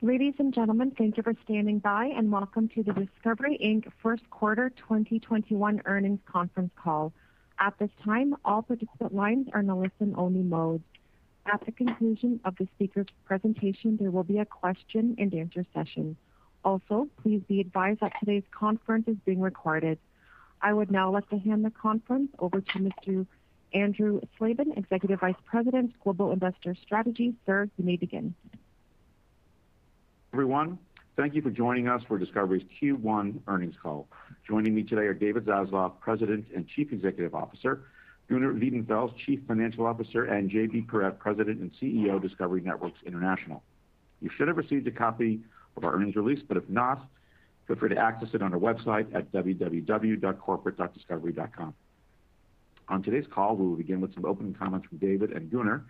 Ladies and gentlemen, thank you for standing by and welcome to the Discovery, Inc First Quarter 2021 Earnings Conference Call. At this time, all participant lines are in listen-only mode. At the conclusion of the speakers' presentation, there will be a question-and-answer session. Also, please be advised that today's conference is being recorded. I would now like to hand the conference over to Mr. Andrew Slabin, Executive Vice President, Global Investor Strategy. Sir, you may begin. Everyone, thank you for joining us for Discovery's Q1 earnings call. Joining me today are David Zaslav, President and Chief Executive Officer, Gunnar Wiedenfels, Chief Financial Officer, and JB Perrette, President and CEO of Discovery Networks International. You should have received a copy of our earnings release. If not, feel free to access it on our website at www.corporate.discovery.com. On today's call, we will begin with some opening comments from David and Gunnar.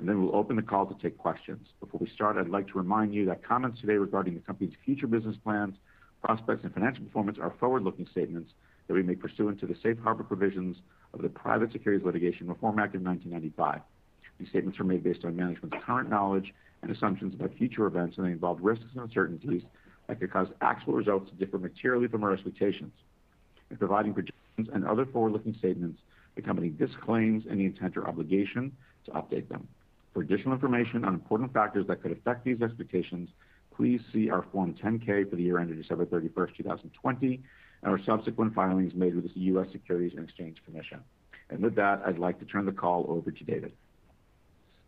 Then we'll open the call to take questions. Before we start, I'd like to remind you that comments today regarding the company's future business plans, prospects, and financial performance are forward-looking statements that we make pursuant to the safe harbor provisions of the Private Securities Litigation Reform Act of 1995. These statements are made based on management's current knowledge and assumptions about future events, and they involve risks and uncertainties that could cause actual results to differ materially from our expectations. In providing projections and other forward-looking statements, the company disclaims any intent or obligation to update them. For additional information on important factors that could affect these expectations, please see our Form 10-K for the year ended December 31st, 2020, and our subsequent filings made with the U.S. Securities and Exchange Commission. With that, I'd like to turn the call over to David.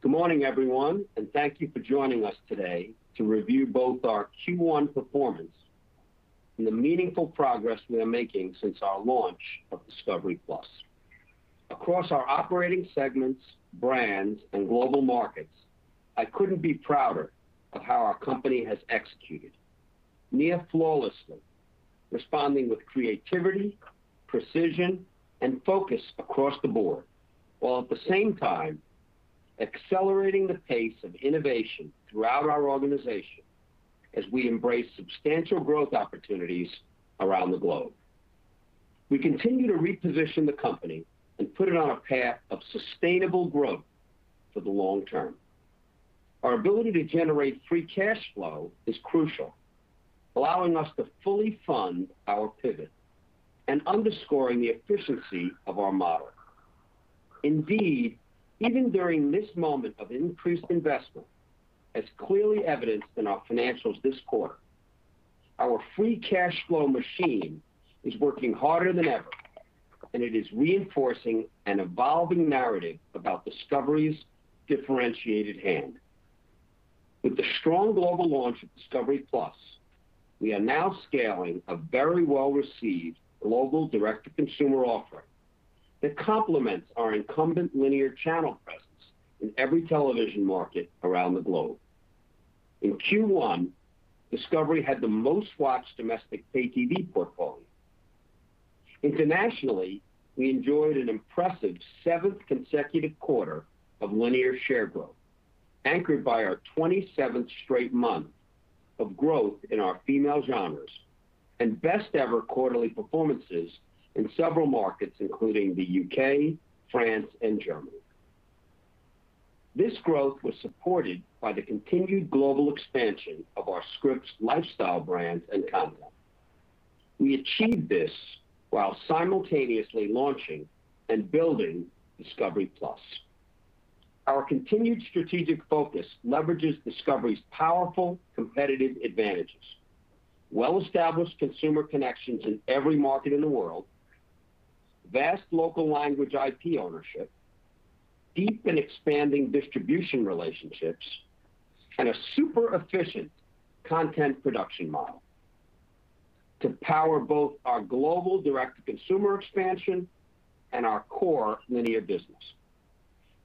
Good morning, everyone, and thank you for joining us today to review both our Q1 performance and the meaningful progress we are making since our launch of discovery+. Across our operating segments, brands, and global markets, I couldn't be prouder of how our company has executed. Near flawlessly, responding with creativity, precision, and focus across the board, while at the same time accelerating the pace of innovation throughout our organization as we embrace substantial growth opportunities around the globe. We continue to reposition the company and put it on a path of sustainable growth for the long-term. Our ability to generate free cash flow is crucial, allowing us to fully fund our pivot and underscoring the efficiency of our model. Indeed, even during this moment of increased investment, as clearly evidenced in our financials this quarter, our free cash flow machine is working harder than ever, and it is reinforcing an evolving narrative about Discovery's differentiated hand. With the strong global launch of Discovery+, we are now scaling a very well-received global direct-to-consumer offering that complements our incumbent linear channel presence in every television market around the globe. In Q1, Discovery had the most-watched domestic pay TV portfolio. Internationally, we enjoyed an impressive seventh consecutive quarter of linear share growth, anchored by our 27th straight month of growth in our female genres and best-ever quarterly performances in several markets, including the U.K., France, and Germany. This growth was supported by the continued global expansion of our scripps, lifestyle brands, and content. We achieved this while simultaneously launching and building Discovery+. Our continued strategic focus leverages Discovery's powerful competitive advantages, well-established consumer connections in every market in the world, vast local language IP ownership, deep and expanding distribution relationships, and a super-efficient content production model to power both our global direct-to-consumer expansion and our core linear business.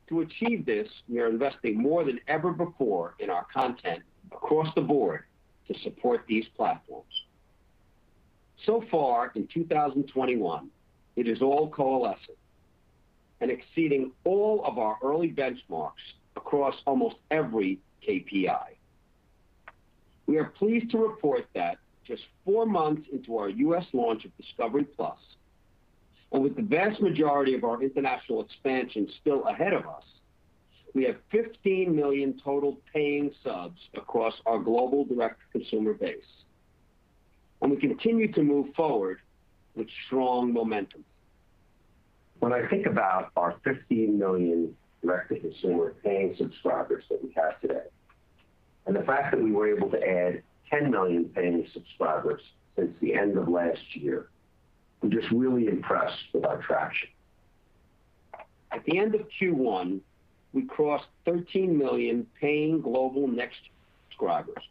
To achieve this, we are investing more than ever before in our content across the board to support these platforms. Far in 2021, it is all coalescing and exceeding all of our early benchmarks across almost every KPI. We are pleased to report that just four months into our U.S. launch of Discovery+, and with the vast majority of our international expansion still ahead of us, we have 15 million total paying subs across our global direct-to-consumer base, and we continue to move forward with strong momentum. When I think about our 15 million direct-to-consumer paying subscribers that we have today, and the fact that we were able to add 10 million paying subscribers since the end of last year, I'm just really impressed with our traction. At the end of Q1, we crossed 13 million paying global net subscribers,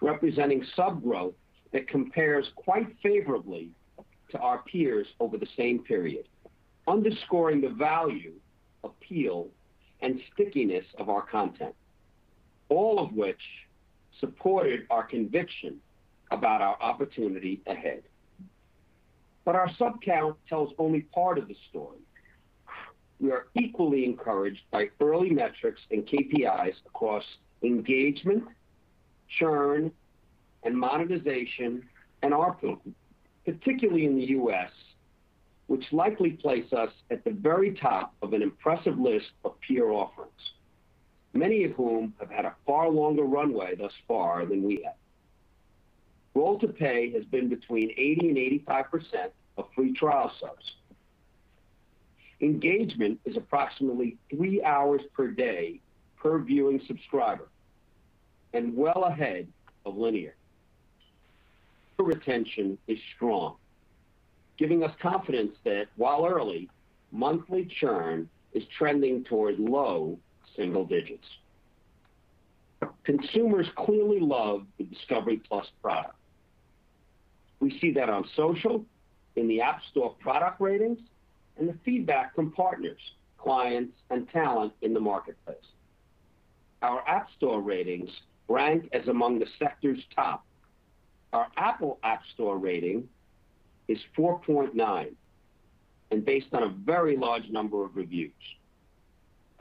representing sub growth that compares quite favorably to our peers over the same period, underscoring the value, appeal, and stickiness of our content. All of which supported our conviction about our opportunity ahead. Our sub count tells only part of the story. We are equally encouraged by early metrics and KPIs across engagement, churn, monetization, and ARPU, particularly in the U.S., which likely place us at the very top of an impressive list of peer offerings, many of whom have had a far longer runway thus far than we have. Roll to pay has been between 80% and 85% of free trial subs. Engagement is approximately three hours per day per viewing subscriber, and well ahead of linear. Subscriber retention is strong, giving us confidence that, while early, monthly churn is trending towards low single digits. Consumers clearly love the Discovery+ product. We see that on social, in the App Store product ratings, and the feedback from partners, clients, and talent in the marketplace. Our App Store ratings rank as among the sector's top. Our Apple App Store rating is 4.9 and based on a very large number of reviews.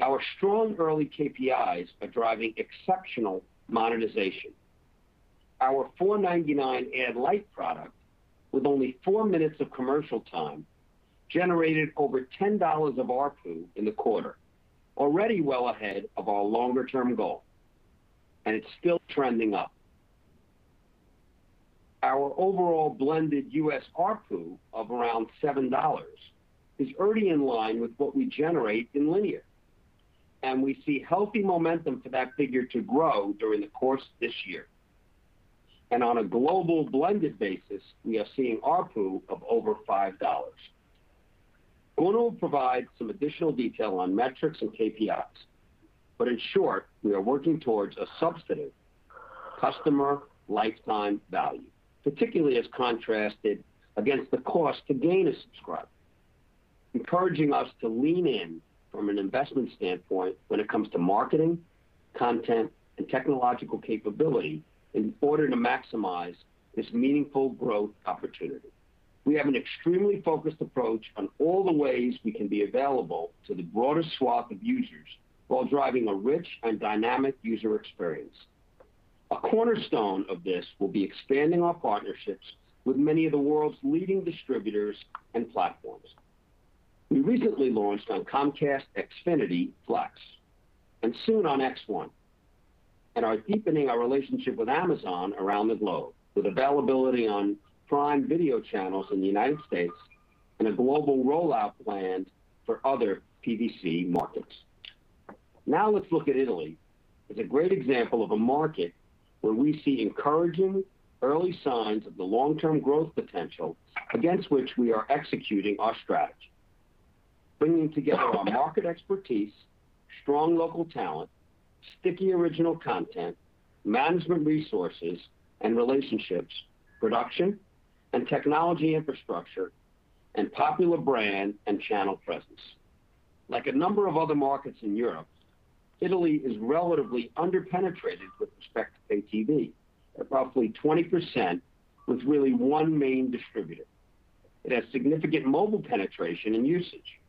Our strong early KPIs are driving exceptional monetization. Our $4.99 ad-lite product with only four minutes of commercial time generated over $10 of ARPU in the quarter, already well ahead of our longer-term goal. It's still trending up. Our overall blended U.S. ARPU of around $7 is already in line with what we generate in linear. We see healthy momentum for that figure to grow during the course of this year. On a global blended basis, we are seeing ARPU of over $5. Gunnar Wiedenfels will provide some additional detail on metrics and KPIs. In short, we are working towards a substantive customer lifetime value, particularly as contrasted against the cost to gain a subscriber, encouraging us to lean in from an investment standpoint when it comes to marketing, content, and technological capability in order to maximize this meaningful growth opportunity. We have an extremely focused approach on all the ways we can be available to the broadest swath of users while driving a rich and dynamic user experience. A cornerstone of this will be expanding our partnerships with many of the world's leading distributors and platforms. We recently launched on Comcast Xfinity Flex and soon on X1 and are deepening our relationship with Amazon around the globe, with availability on Prime Video Channels in the United States and a global rollout planned for other PVC markets. Let's look at Italy as a great example of a market where we see encouraging early signs of the long-term growth potential against which we are executing our strategy, bringing together our market expertise, strong local talent, sticky original content, management resources and relationships, production and technology infrastructure, and popular brand and channel presence. Like a number of other markets in Europe, Italy is relatively under-penetrated with respect to pay TV. At roughly 20% with really one main distributor. It has significant mobile penetration and usage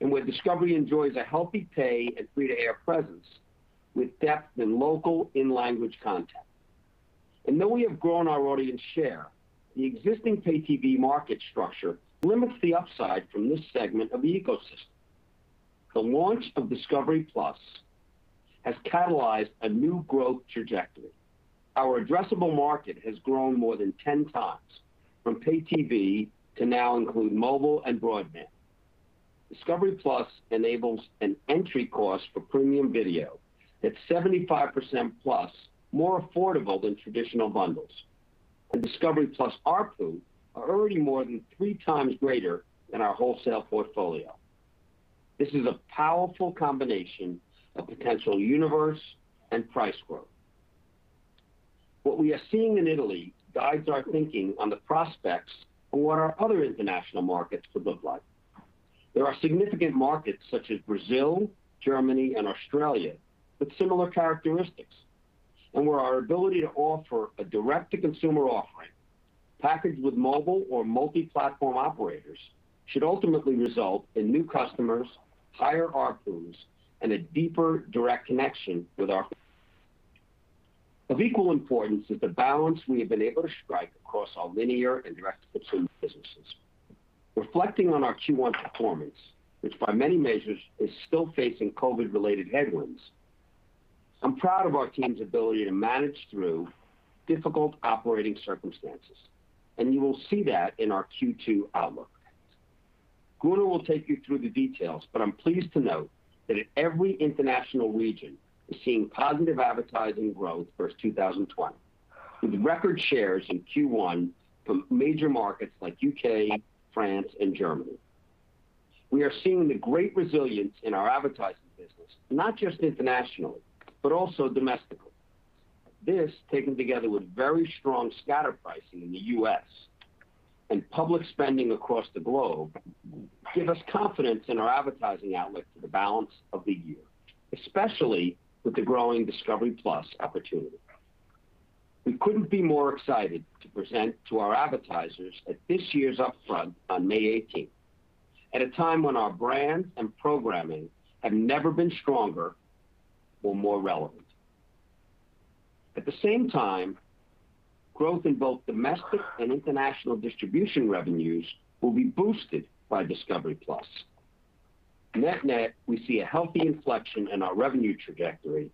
and where Discovery enjoys a healthy pay and free-to-air presence with depth in local in-language content. Though we have grown our audience share, the existing pay TV market structure limits the upside from this segment of the ecosystem. The launch of Discovery+ has catalyzed a new growth trajectory. Our addressable market has grown more than 10x, from pay TV to now include mobile and broadband. Discovery+ enables an entry cost for premium video that's 75%+ more affordable than traditional bundles, and Discovery+ ARPU are already more than three times greater than our wholesale portfolio. This is a powerful combination of potential universe and price growth. What we are seeing in Italy guides our thinking on the prospects for what our other international markets could look like. There are significant markets such as Brazil, Germany, and Australia with similar characteristics, and where our ability to offer a direct-to-consumer offering packaged with mobile or multi-platform operators should ultimately result in new customers, higher ARPUs, and a deeper direct connection. Of equal importance is the balance we have been able to strike across our linear and direct-to-consumer businesses. Reflecting on our Q1 performance, which by many measures is still facing COVID-related headwinds, I'm proud of our team's ability to manage through difficult operating circumstances, and you will see that in our Q2 outlook. Gunnar will take you through the details, but I'm pleased to note that every international region is seeing positive advertising growth versus 2020, with record shares in Q1 from major markets like U.K., France, and Germany. We are seeing the great resilience in our advertising business, not just internationally, but also domestically. This, taken together with very strong scatter pricing in the U.S. and public spending across the globe, give us confidence in our advertising outlook for the balance of the year, especially with the growing Discovery+ opportunity. We couldn't be more excited to present to our advertisers at this year's upfront on May 18. At a time when our brands and programming have never been stronger or more relevant. At the same time, growth in both domestic and international distribution revenues will be boosted by Discovery+. Net net, we see a healthy inflection in our revenue trajectory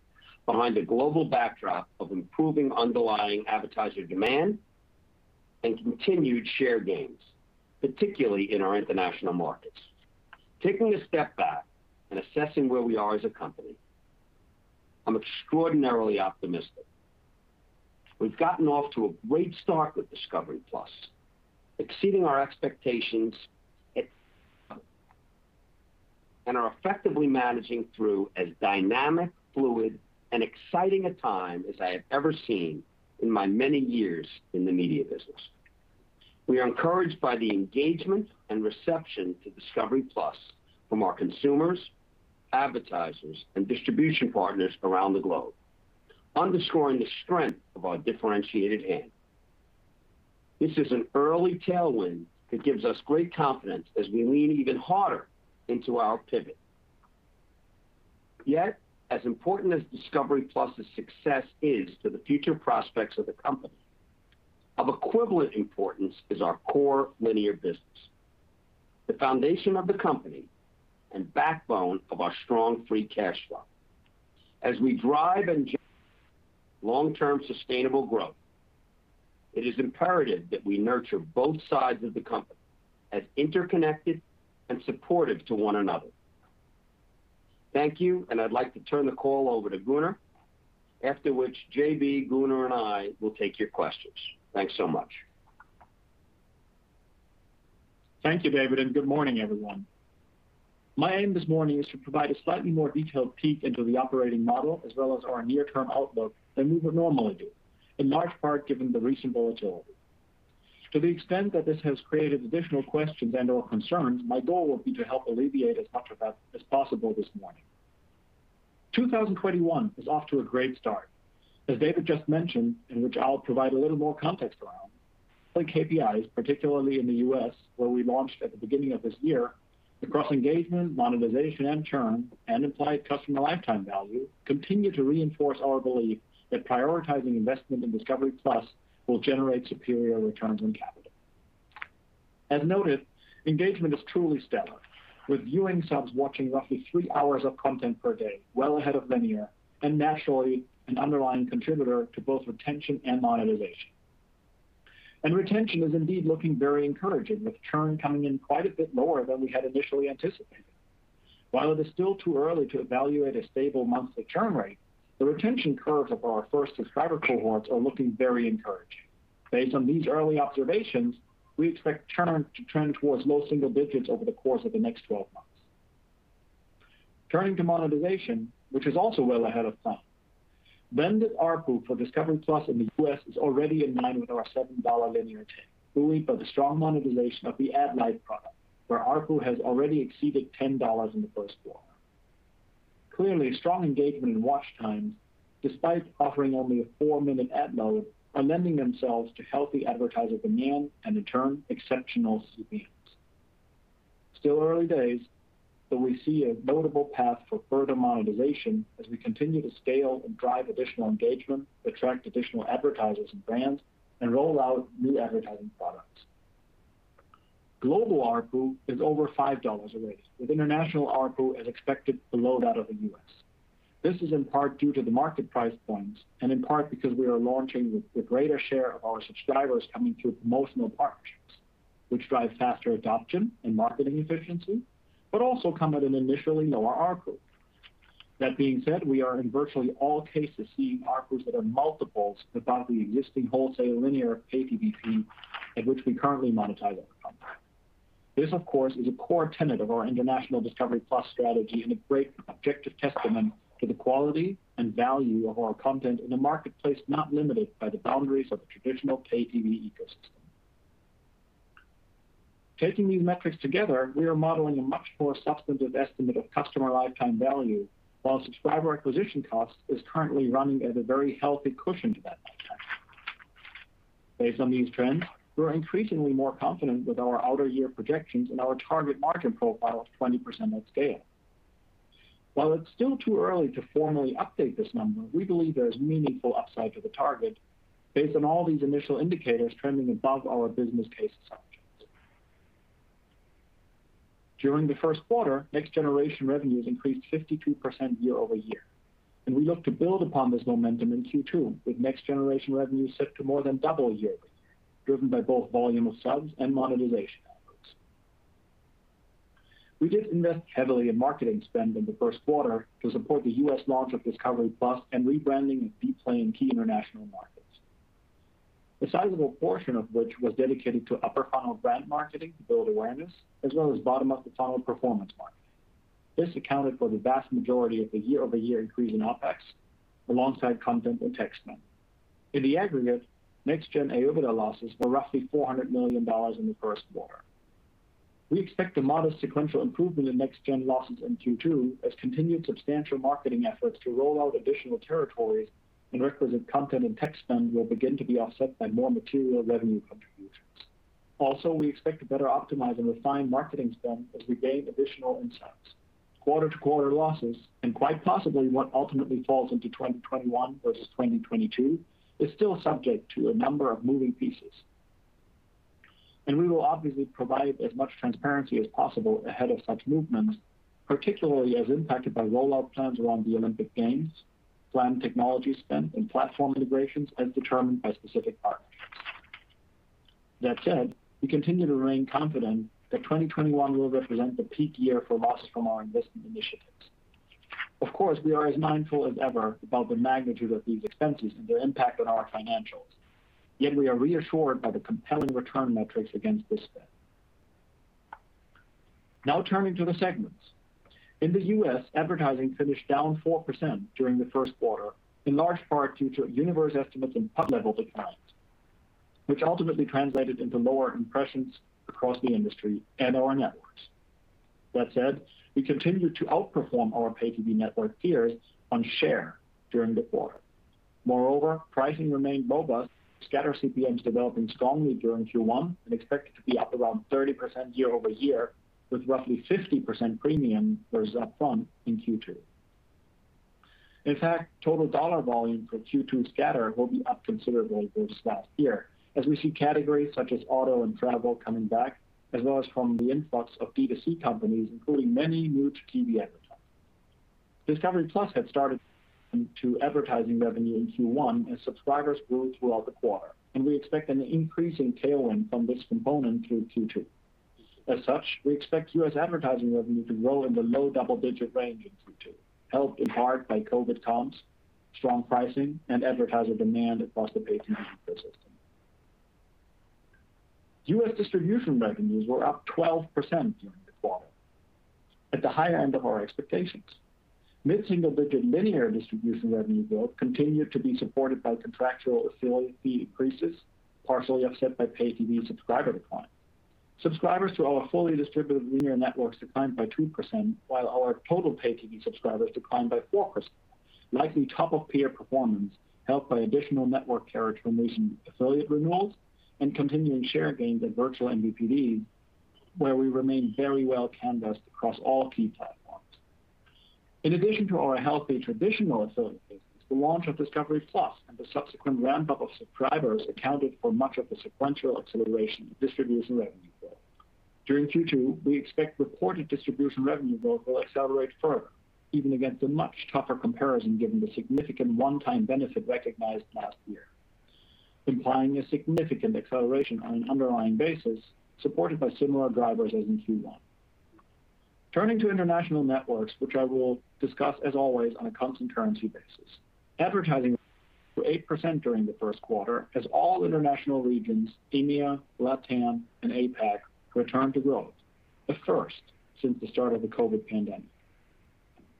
behind a global backdrop of improving underlying advertiser demand and continued share gains, particularly in our international markets. Taking a step back and assessing where we are as a company, I'm extraordinarily optimistic. We've gotten off to a great start with discovery+, exceeding our expectations, and are effectively managing through as dynamic, fluid, and exciting a time as I have ever seen in my many years in the media business. We are encouraged by the engagement and reception to discovery+ from our consumers, advertisers, and distribution partners around the globe, underscoring the strength of our differentiated hand. This is an early tailwind that gives us great confidence as we lean even harder into our pivot. Yet, as important as discovery+'s success is to the future prospects of the company, of equivalent importance is our core linear business, the foundation of the company, and backbone of our strong free cash flow. As we drive enduring long-term sustainable growth, it is imperative that we nurture both sides of the company as interconnected and supportive to one another. Thank you, and I'd like to turn the call over to Gunnar, after which JB, Gunnar, and I will take your questions. Thanks so much. Thank you, David. Good morning, everyone. My aim this morning is to provide a slightly more detailed peek into the operating model as well as our near-term outlook than we would normally do, in large part given the recent volatility. To the extent that this has created additional questions and/or concerns, my goal will be to help alleviate as much of that as possible this morning. 2021 is off to a great start. As David just mentioned, in which I'll provide a little more context around, like KPIs, particularly in the U.S. where we launched at the beginning of this year, across engagement, monetization, and churn, and implied customer lifetime value, continue to reinforce our belief that prioritizing investment in Discovery+ will generate superior returns on capital. As noted, engagement is truly stellar, with viewing subs watching roughly three hours of content per day, well ahead of linear. Naturally an underlying contributor to both retention and monetization. Retention is indeed looking very encouraging, with churn coming in quite a bit lower than we had initially anticipated. While it is still too early to evaluate a stable monthly churn rate, the retention curves of our first subscriber cohorts are looking very encouraging. Based on these early observations, we expect churn to trend towards low single digits over the course of the next 12 months. Turning to monetization, which is also well ahead of plan. Blended ARPU for Discovery+ in the U.S. is already in line with our $7 linear take, buoyed by the strong monetization of the Ad-Lite product, where ARPU has already exceeded $10 in the first quarter. Clearly, strong engagement in watch times, despite offering only a four-minute ad load, are lending themselves to healthy advertiser demand, and in turn, exceptional CPMs. Still early days, we see a notable path for further monetization as we continue to scale and drive additional engagement, attract additional advertisers and brands, and roll out new advertising products. Global ARPU is over $5 average, with international ARPU as expected below that of the U.S. This is in part due to the market price points, and in part because we are launching with a greater share of our subscribers coming through promotional partnerships, which drive faster adoption and marketing efficiency, but also come at an initially lower ARPU. That being said, we are in virtually all cases seeing ARPUs that are multiples above the existing wholesale linear pay MVPD at which we currently monetize our content. This, of course, is a core tenet of our international Discovery+ strategy and a great objective testament to the quality and value of our content in a marketplace not limited by the boundaries of the traditional pay TV ecosystem. Taking these metrics together, we are modeling a much more substantive estimate of customer lifetime value, while subscriber acquisition cost is currently running at a very healthy cushion to that lifetime. Based on these trends, we're increasingly more confident with our outer year projections and our target market profile of 20% at scale. While it's still too early to formally update this number, we believe there is meaningful upside to the target based on all these initial indicators trending above our business case assumptions. During the first quarter, next generation revenues increased 52% year-over-year. We look to build upon this momentum in Q2 with next generation revenues set to more than double yearly, driven by both volume of subs and monetization efforts. We did invest heavily in marketing spend in the first quarter to support the U.S. launch of Discovery+ and rebranding of Dplay in key international markets. A sizable portion of which was dedicated to upper funnel brand marketing to build awareness, as well as bottom of the funnel performance marketing. This accounted for the vast majority of the year-over-year increase in OpEx alongside content and tech spend. In the aggregate, next gen AOIBDA losses were roughly $400 million in the first quarter. We expect a modest sequential improvement in next gen losses in Q2 as continued substantial marketing efforts to roll out additional territories and requisite content and tech spend will begin to be offset by more material revenue contribution. Also, we expect to better optimize and refine marketing spend as we gain additional insights. Quarter-to-quarter losses, and quite possibly what ultimately falls into 2021 versus 2022, is still subject to a number of moving pieces. We will obviously provide as much transparency as possible ahead of such movements, particularly as impacted by rollout plans around the Olympic Games, planned technology spend, and platform integrations as determined by specific partnerships. That said, we continue to remain confident that 2021 will represent the peak year for loss from our investment initiatives. Of course, we are as mindful as ever about the magnitude of these expenses and their impact on our financials, yet we are reassured by the compelling return metrics against this spend. Turning to the segments. In the U.S., advertising finished down 4% during the first quarter, in large part due to universe estimates and pub level declines, which ultimately translated into lower impressions across the industry and our networks. That said, we continued to outperform our pay-TV network peers on share during the quarter. Pricing remained robust, scatter CPMs developing strongly during Q1 and expected to be up around 30% year-over-year, with roughly 50% premium versus upfront in Q2. In fact, total dollar volume for Q2 scatter will be up considerably versus last year, as we see categories such as auto and travel coming back, as well as from the influx of D2C companies, including many new-to-TV advertisers. Discovery+ had started to advertising revenue in Q1 as subscribers grew throughout the quarter, and we expect an increasing tailwind from this component through Q2. We expect U.S. advertising revenue to grow in the low double-digit range in Q2, helped in part by COVID comps, strong pricing, and advertiser demand across the pay TV ecosystem. U.S. distribution revenues were up 12% during the quarter, at the high end of our expectations. Mid-single-digit linear distribution revenue growth continued to be supported by contractual affiliate fee increases, partially offset by pay-TV subscriber decline. Subscribers to our fully distributed linear networks declined by 2%, while our total pay-TV subscribers declined by 4%, likely top of peer performance, helped by additional network carriage from recent affiliate renewals and continuing share gains at vMVPD, where we remain very well-canvassed across all key platforms. In addition to our healthy traditional affiliate business, the launch of Discovery+ and the subsequent ramp-up of subscribers accounted for much of the sequential acceleration in distribution revenue growth. During Q2, we expect reported distribution revenue growth will accelerate further, even against a much tougher comparison given the significant one-time benefit recognized last year, implying a significant acceleration on an underlying basis supported by similar drivers as in Q1. Turning to international networks, which I will discuss as always on a constant currency basis. Advertising grew 8% during the first quarter as all international regions, EMEA, LATAM, and APAC, returned to growth, the first since the start of the COVID pandemic.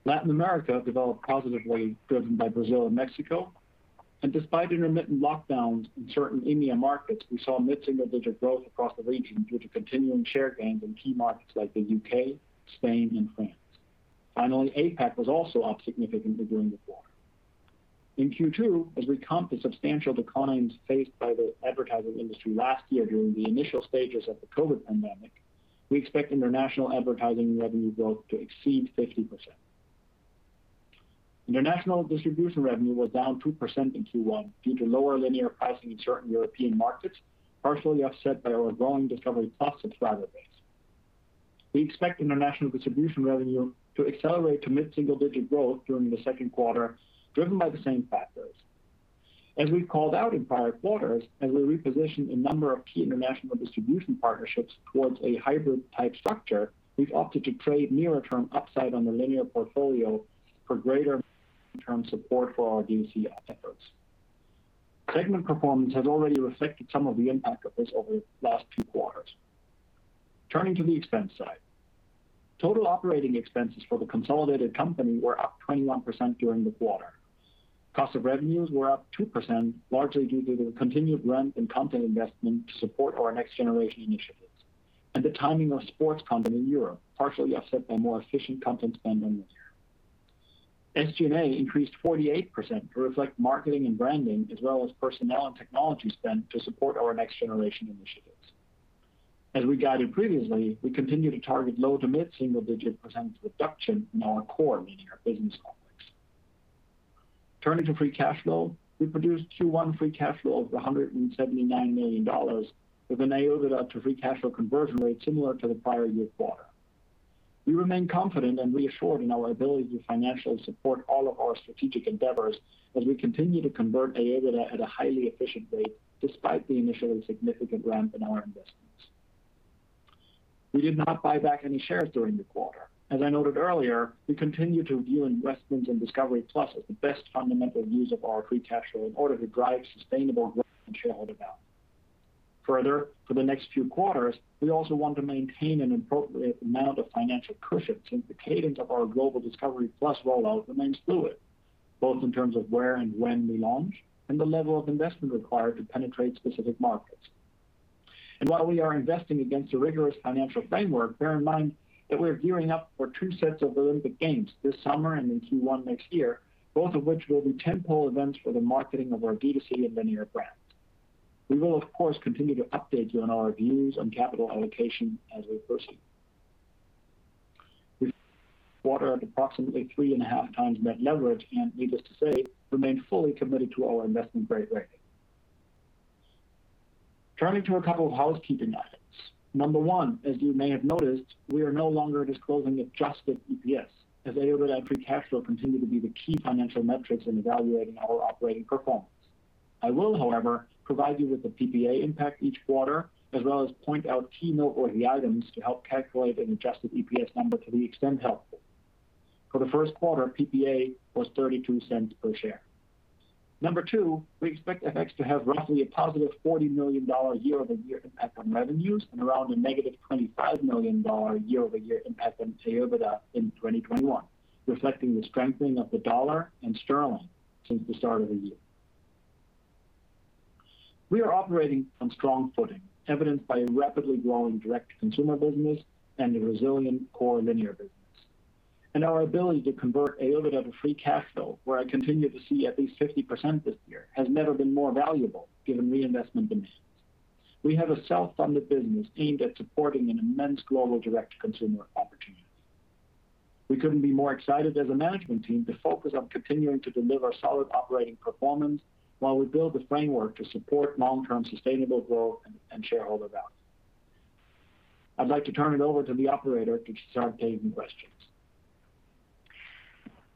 Latin America developed positively, driven by Brazil and Mexico, and despite intermittent lockdowns in certain EMEA markets, we saw mid-single-digit growth across the region due to continuing share gains in key markets like the U.K., Spain, and France. Finally, APAC was also up significantly during the quarter. In Q2, as we comp the substantial declines faced by the advertising industry last year during the initial stages of the COVID pandemic, we expect international advertising revenue growth to exceed 50%. International distribution revenue was down 2% in Q1 due to lower linear pricing in certain European markets, partially offset by our growing Discovery+ subscriber base. We expect international distribution revenue to accelerate to mid-single digit growth during the second quarter, driven by the same factors. As we've called out in prior quarters, as we reposition a number of key international distribution partnerships towards a hybrid-type structure, we've opted to trade nearer term upside on the linear portfolio for greater long-term support for our D2C efforts. Segment performance has already reflected some of the impact of this over the last two quarters. Turning to the expense side. Total operating expenses for the consolidated company were up 21% during the quarter. Cost of revenues were up 2%, largely due to the continued ramp in content investment to support our next generation initiatives and the timing of sports content in Europe, partially offset by more efficient content spend in linear. SG&A increased 48% to reflect marketing and branding, as well as personnel and technology spend to support our next generation initiatives. As we guided previously, we continue to target low-to-mid single-digit percentage reduction in our core linear business complex. Turning to free cash flow. We produced Q1 free cash flow of $179 million with an EBITDA to free cash flow conversion rate similar to the prior year quarter. We remain confident and reassured in our ability to financially support all of our strategic endeavors as we continue to convert EBITDA at a highly efficient rate, despite the initial significant ramp in our investments. We did not buy back any shares during the quarter. As I noted earlier, we continue to view investments in discovery+ as the best fundamental use of our free cash flow in order to drive sustainable growth and shareholder value. Further, for the next few quarters, we also want to maintain an appropriate amount of financial cushion since the cadence of our global Discovery+ rollout remains fluid, both in terms of where and when we launch and the level of investment required to penetrate specific markets. While we are investing against a rigorous financial framework, bear in mind that we're gearing up for two sets of Olympic Games this summer and in Q1 next year, both of which will be tentpole events for the marketing of our D2C and linear brands. We will, of course, continue to update you on our views on capital allocation as we proceed. Quarter at approximately 3.5x Net leverage, and needless to say, remain fully committed to our investment grade rating. Turning to a couple of housekeeping items. Number one, as you may have noticed, we are no longer disclosing adjusted EPS, as AOIBDA and free cash flow continue to be the key financial metrics in evaluating our operating performance. I will, however, provide you with the PPA impact each quarter, as well as point out key noteworthy items to help calculate an adjusted EPS number to the extent helpful. For the first quarter, PPA was $0.32 per share. Number two, we expect FX to have roughly a positive $40 million year-over-year impact on revenues and around a negative $25 million year-over-year impact on Total AOIBDA in 2021, reflecting the strengthening of the dollar and sterling since the start of the year. We are operating on strong footing, evidenced by a rapidly growing direct consumer business and a resilient core linear business. Our ability to convert AOIBDA out of free cash flow, where I continue to see at least 50% this year, has never been more valuable given reinvestment demands. We have a self-funded business aimed at supporting an immense global direct-to-consumer opportunity. We couldn't be more excited as a management team to focus on continuing to deliver solid operating performance while we build the framework to support long-term sustainable growth and shareholder value. I'd like to turn it over to the operator to start taking questions.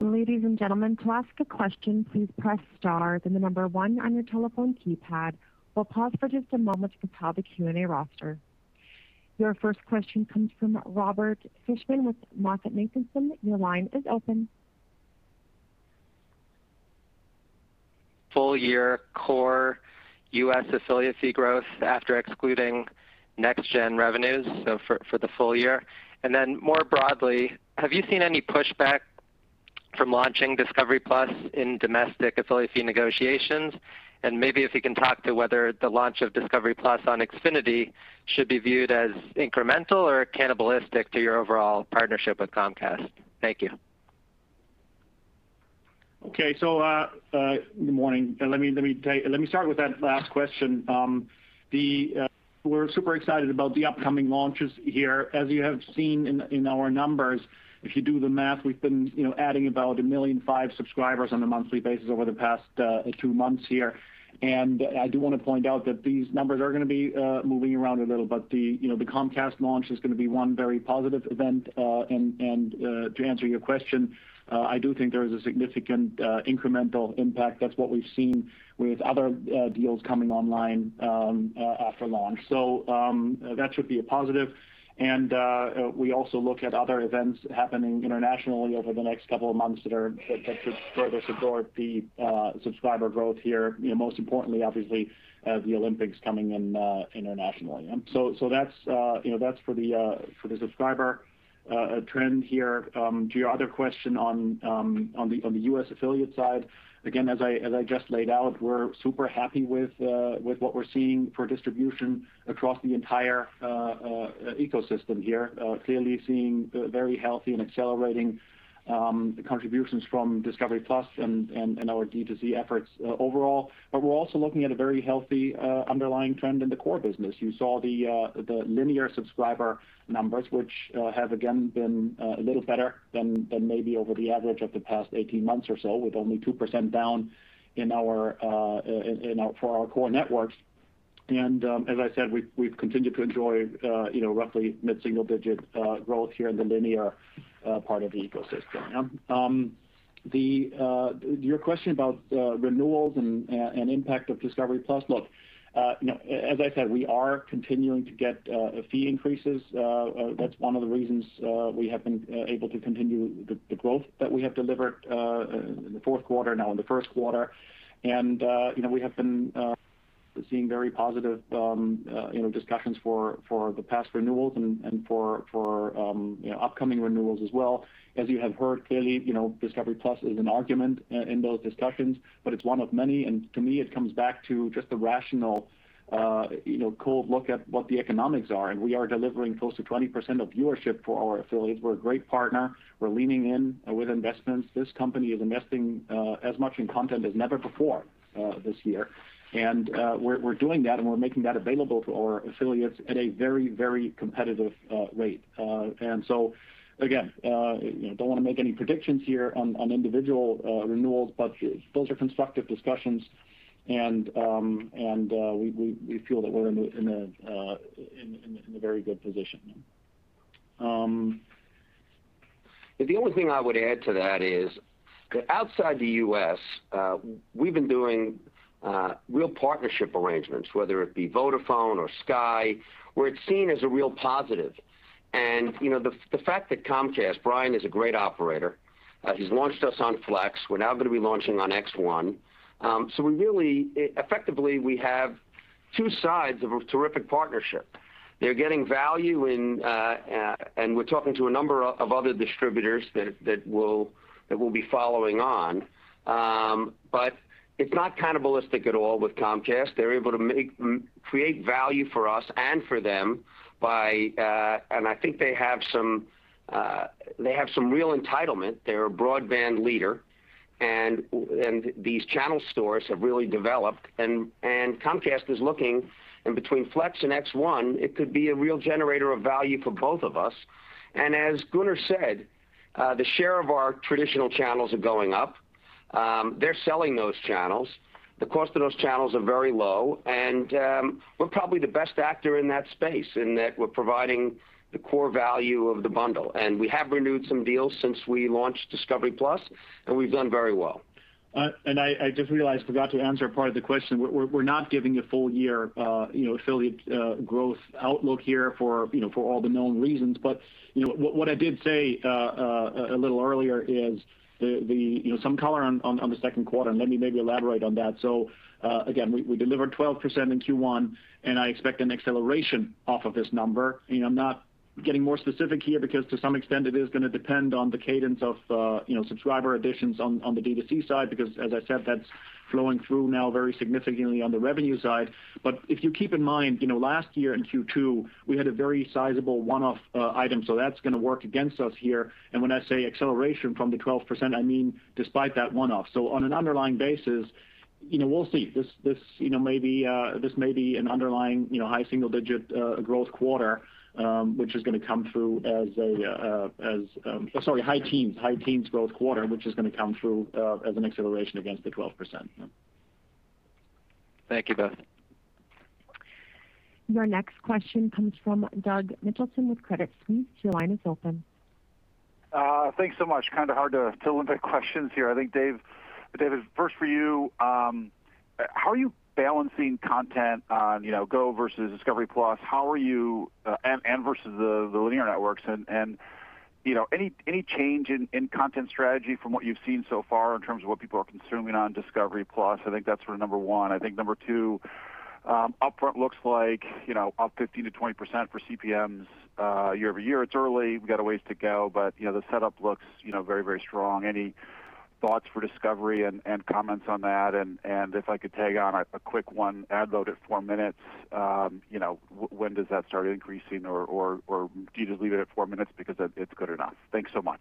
Ladies and gentlemen, to ask a question, please press star, then the number 1 on your telephone keypad. We'll pause for just a moment to compile the Q&A roster. Your first question comes from Robert Fishman with MoffettNathanson. Your line is open. Full year core U.S. affiliate fee growth after excluding next-gen revenues for the full year. More broadly, have you seen any pushback from launching Discovery+ in domestic affiliate fee negotiations? Maybe if you can talk to whether the launch of Discovery+ on Xfinity should be viewed as incremental or cannibalistic to your overall partnership with Comcast. Thank you. Good morning. Let me start with that last question. We're super excited about the upcoming launches here. As you have seen in our numbers, if you do the math, we've been adding about 1.5 million subscribers on a monthly basis over the past two months here. I do want to point out that these numbers are going to be moving around a little, but the Comcast launch is going to be one very positive event. To answer your question, I do think there is a significant incremental impact. That's what we've seen with other deals coming online after launch. That should be a positive. We also look at other events happening internationally over the next couple of months that should further support the subscriber growth here. Most importantly, obviously, the Olympics coming in internationally. That's for the subscriber trend here. To your other question on the U.S. affiliate side, again, as I just laid out, we're super happy with what we're seeing for distribution across the entire ecosystem here. Clearly seeing very healthy and accelerating contributions from Discovery+ and our D2C efforts overall. We're also looking at a very healthy underlying trend in the core business. You saw the linear subscriber numbers, which have again been a little better than maybe over the average of the past 18 months or so, with only 2% down for our core networks. As I said, we've continued to enjoy roughly mid-single digit growth here in the linear part of the ecosystem. Your question about renewals and impact of Discovery+, look, as I said, we are continuing to get fee increases. That's one of the reasons we have been able to continue the growth that we have delivered in the fourth quarter, now in the first quarter. We have been seeing very positive discussions for the past renewals and for upcoming renewals as well. As you have heard clearly, Discovery+ is an argument in those discussions, but it's one of many. To me it comes back to just the rational, cold look at what the economics are. We are delivering close to 20% of viewership for our affiliates. We're a great partner. We're leaning in with investments. This company is investing as much in content as never before this year. We're doing that and we're making that available to our affiliates at a very competitive rate. Again, don't want to make any predictions here on individual renewals, but those are constructive discussions and we feel that we're in a very good position. The only thing I would add to that is that outside the U.S., we've been doing real partnership arrangements, whether it be Vodafone or Sky, where it's seen as a real positive. The fact that Comcast, Brian is a great operator. He's launched us on Flex. We're now going to be launching on X1. Effectively, we have two sides of a terrific partnership. They're getting value and we're talking to a number of other distributors that will be following on. It's not cannibalistic at all with Comcast. They're able to create value for us and for them. I think they have some real entitlement. They're a broadband leader, and these channel stores have really developed, and Comcast is looking, and between Flex and X1, it could be a real generator of value for both of us. As Gunnar said, the share of our traditional channels are going up. They're selling those channels. The cost of those channels are very low, and we're probably the best actor in that space in that we're providing the core value of the bundle. We have renewed some deals since we launched Discovery+, and we've done very well. I just realized forgot to answer part of the question. We're not giving a full year affiliate growth outlook here for all the known reasons. What I did say a little earlier is some color on the second quarter, and let me maybe elaborate on that. Again, we delivered 12% in Q1, and I expect an acceleration off of this number. I'm not getting more specific here because to some extent, it is going to depend on the cadence of subscriber additions on the D2C side, because as I said, that's flowing through now very significantly on the revenue side. If you keep in mind, last year in Q2, we had a very sizable one-off item, so that's going to work against us here. When I say acceleration from the 12%, I mean despite that one-off. On an underlying basis, we'll see. This may be an underlying high single-digit growth quarter which is going to come through Sorry, high teens growth quarter, which is going to come through as an acceleration against the 12%. Thank you both. Your next question comes from Doug Mitchelson with Credit Suisse. Your line is open. Thanks so much. Kind of hard to limit questions here. I think David, first for you, how are you balancing content on Discovery GO versus Discovery+? Versus the linear networks and any change in content strategy from what you've seen so far in terms of what people are consuming on Discovery+? I think that's for number one. I think number two, upfront looks like up 15%-20% for CPMs year-over-year. It's early. We've got a ways to go, but the setup looks very strong. Any thoughts for Discovery, Inc. and comments on that? If I could tag on a quick one, ad load at four minutes, when does that start increasing? Do you just leave it at four minutes because it's good enough? Thanks so much.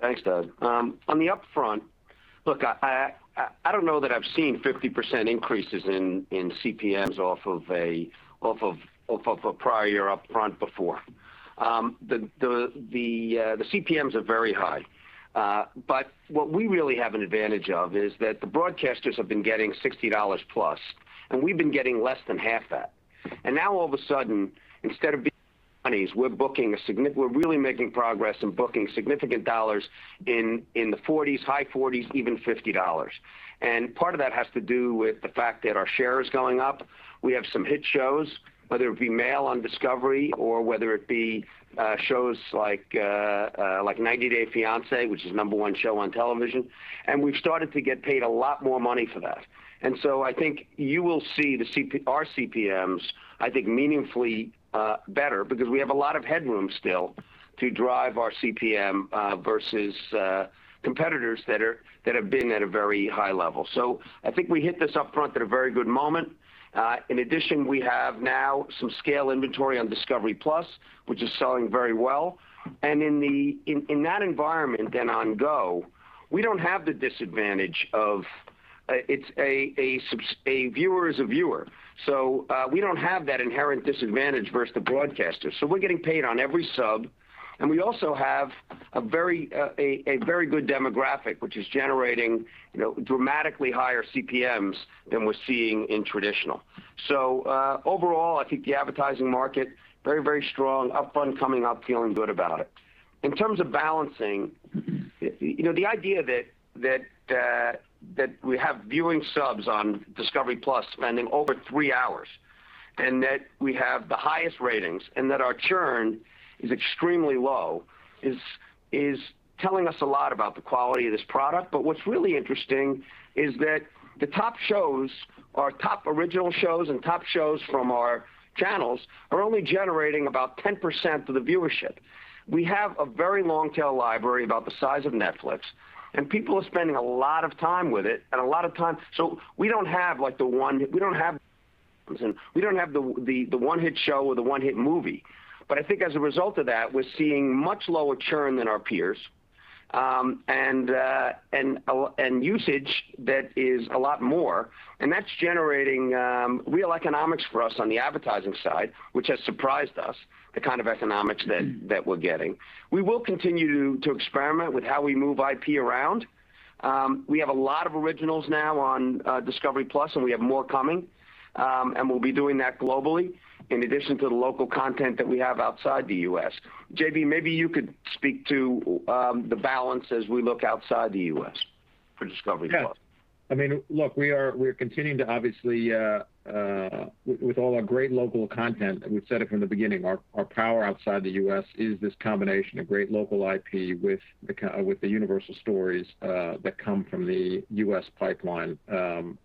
Thanks, Doug. On the upfront, look, I don't know that I've seen 50% increases in CPMs off of a prior upfront before. The CPMs are very high. What we really have an advantage of is that the broadcasters have been getting $60+, and we've been getting less than half that. Now all of a sudden, instead of being 20s, we're really making progress in booking significant dollars in the 40s, high 40s, even $50. Part of that has to do with the fact that our share is going up. We have some hit shows, whether it be male on Discovery or whether it be shows like "90 Day Fiancé," which is number one show on television, and we've started to get paid a lot more money for that. I think you will see our CPMs, I think meaningfully better because we have a lot of headroom still to drive our CPM versus competitors that have been at a very high level. I think we hit this upfront at a very good moment. In addition, we have now some scale inventory on Discovery+, which is selling very well. In that environment and on Go, we don't have the disadvantage. A viewer is a viewer. We don't have that inherent disadvantage versus the broadcasters. We're getting paid on every sub. We also have a very good demographic, which is generating dramatically higher CPMs than we're seeing in traditional. Overall, I think the advertising market very strong, upfront coming up feeling good about it. In terms of balancing, the idea that we have viewing subs on Discovery+ spending over three hours, and that we have the highest ratings and that our churn is extremely low is telling us a lot about the quality of this product. What's really interesting is that the top shows, our top original shows and top shows from our channels are only generating about 10% of the viewership. We have a very long-tail library about the size of Netflix, and people are spending a lot of time with it and a lot of time. We don't have the one hit show or the one hit movie. I think as a result of that, we're seeing much lower churn than our peers, and usage that is a lot more, and that's generating real economics for us on the advertising side, which has surprised us the kind of economics that we're getting. We will continue to experiment with how we move IP around. We have a lot of originals now on Discovery+, and we have more coming. We'll be doing that globally, in addition to the local content that we have outside the U.S. JB, maybe you could speak to the balance as we look outside the U.S. for Discovery+. Look, we're continuing to obviously with all our great local content, we've said it from the beginning, our power outside the U.S. is this combination of great local IP with the universal stories that come from the U.S. pipeline.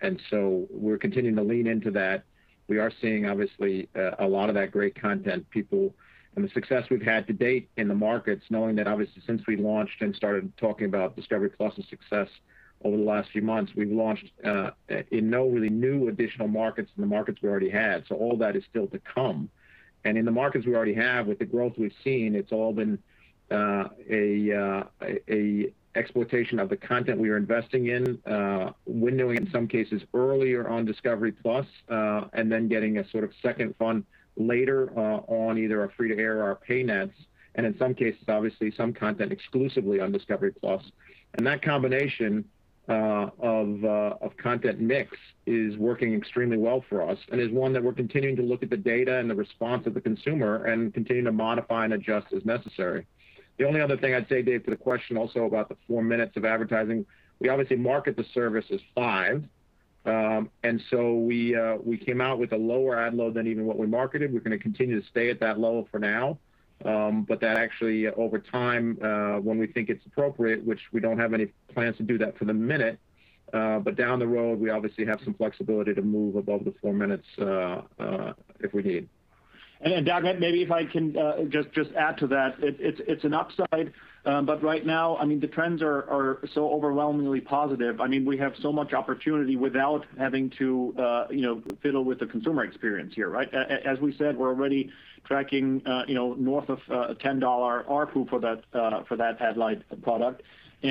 We're continuing to lean into that. We are seeing obviously a lot of that great content people and the success we've had to date in the markets, knowing that obviously since we launched and started talking about Discovery+'s success over the last few months, we've launched in no really new additional markets in the markets we already had. All that is still to come. In the markets we already have with the growth we've seen, it's all been an exploitation of the content we are investing in, windowing in some cases earlier on Discovery+, and then getting a sort of second fund later on either our free-to-air or our pay nets, and in some cases, obviously some content exclusively on Discovery+. That combination of content mix is working extremely well for us and is one that we're continuing to look at the data and the response of the consumer and continuing to modify and adjust as necessary. The only other thing I'd say, Dave, to the question also about the four minutes of advertising, we obviously market the service as five. So we came out with a lower ad load than even what we marketed. We're going to continue to stay at that level for now. That actually, over time, when we think it's appropriate, which we don't have any plans to do that for the minute, but down the road, we obviously have some flexibility to move above the four minutes if we need. Doug, maybe if I can just add to that. It is an upside, but right now, the trends are so overwhelmingly positive. We have so much opportunity without having to fiddle with the consumer experience here, right? As we said, we are already tracking north of a $10 ARPU for that ad-light product.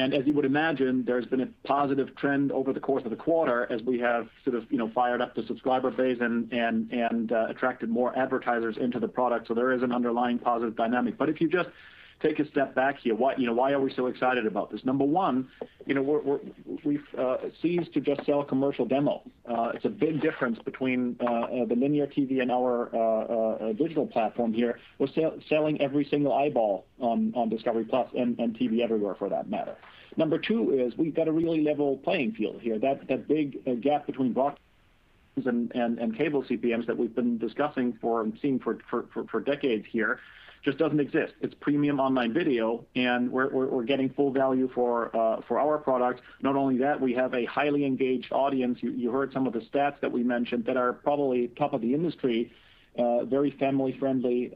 As you would imagine, there has been a positive trend over the course of the quarter as we have sort of fired up the subscriber base and attracted more advertisers into the product. There is an underlying positive dynamic. If you just take a step back here, why are we so excited about this? Number one, we have ceased to just sell commercial demo. It is a big difference between the linear TV and our digital platform here. We are selling every single eyeball on Discovery+ and TV Everywhere for that matter. Number two is we've got a really level playing field here. That big gap between box and cable CPMs that we've been discussing and seeing for decades here just doesn't exist. It's premium online video. We're getting full value for our product. Not only that, we have a highly engaged audience. You heard some of the stats that we mentioned that are probably top of the industry, very family-friendly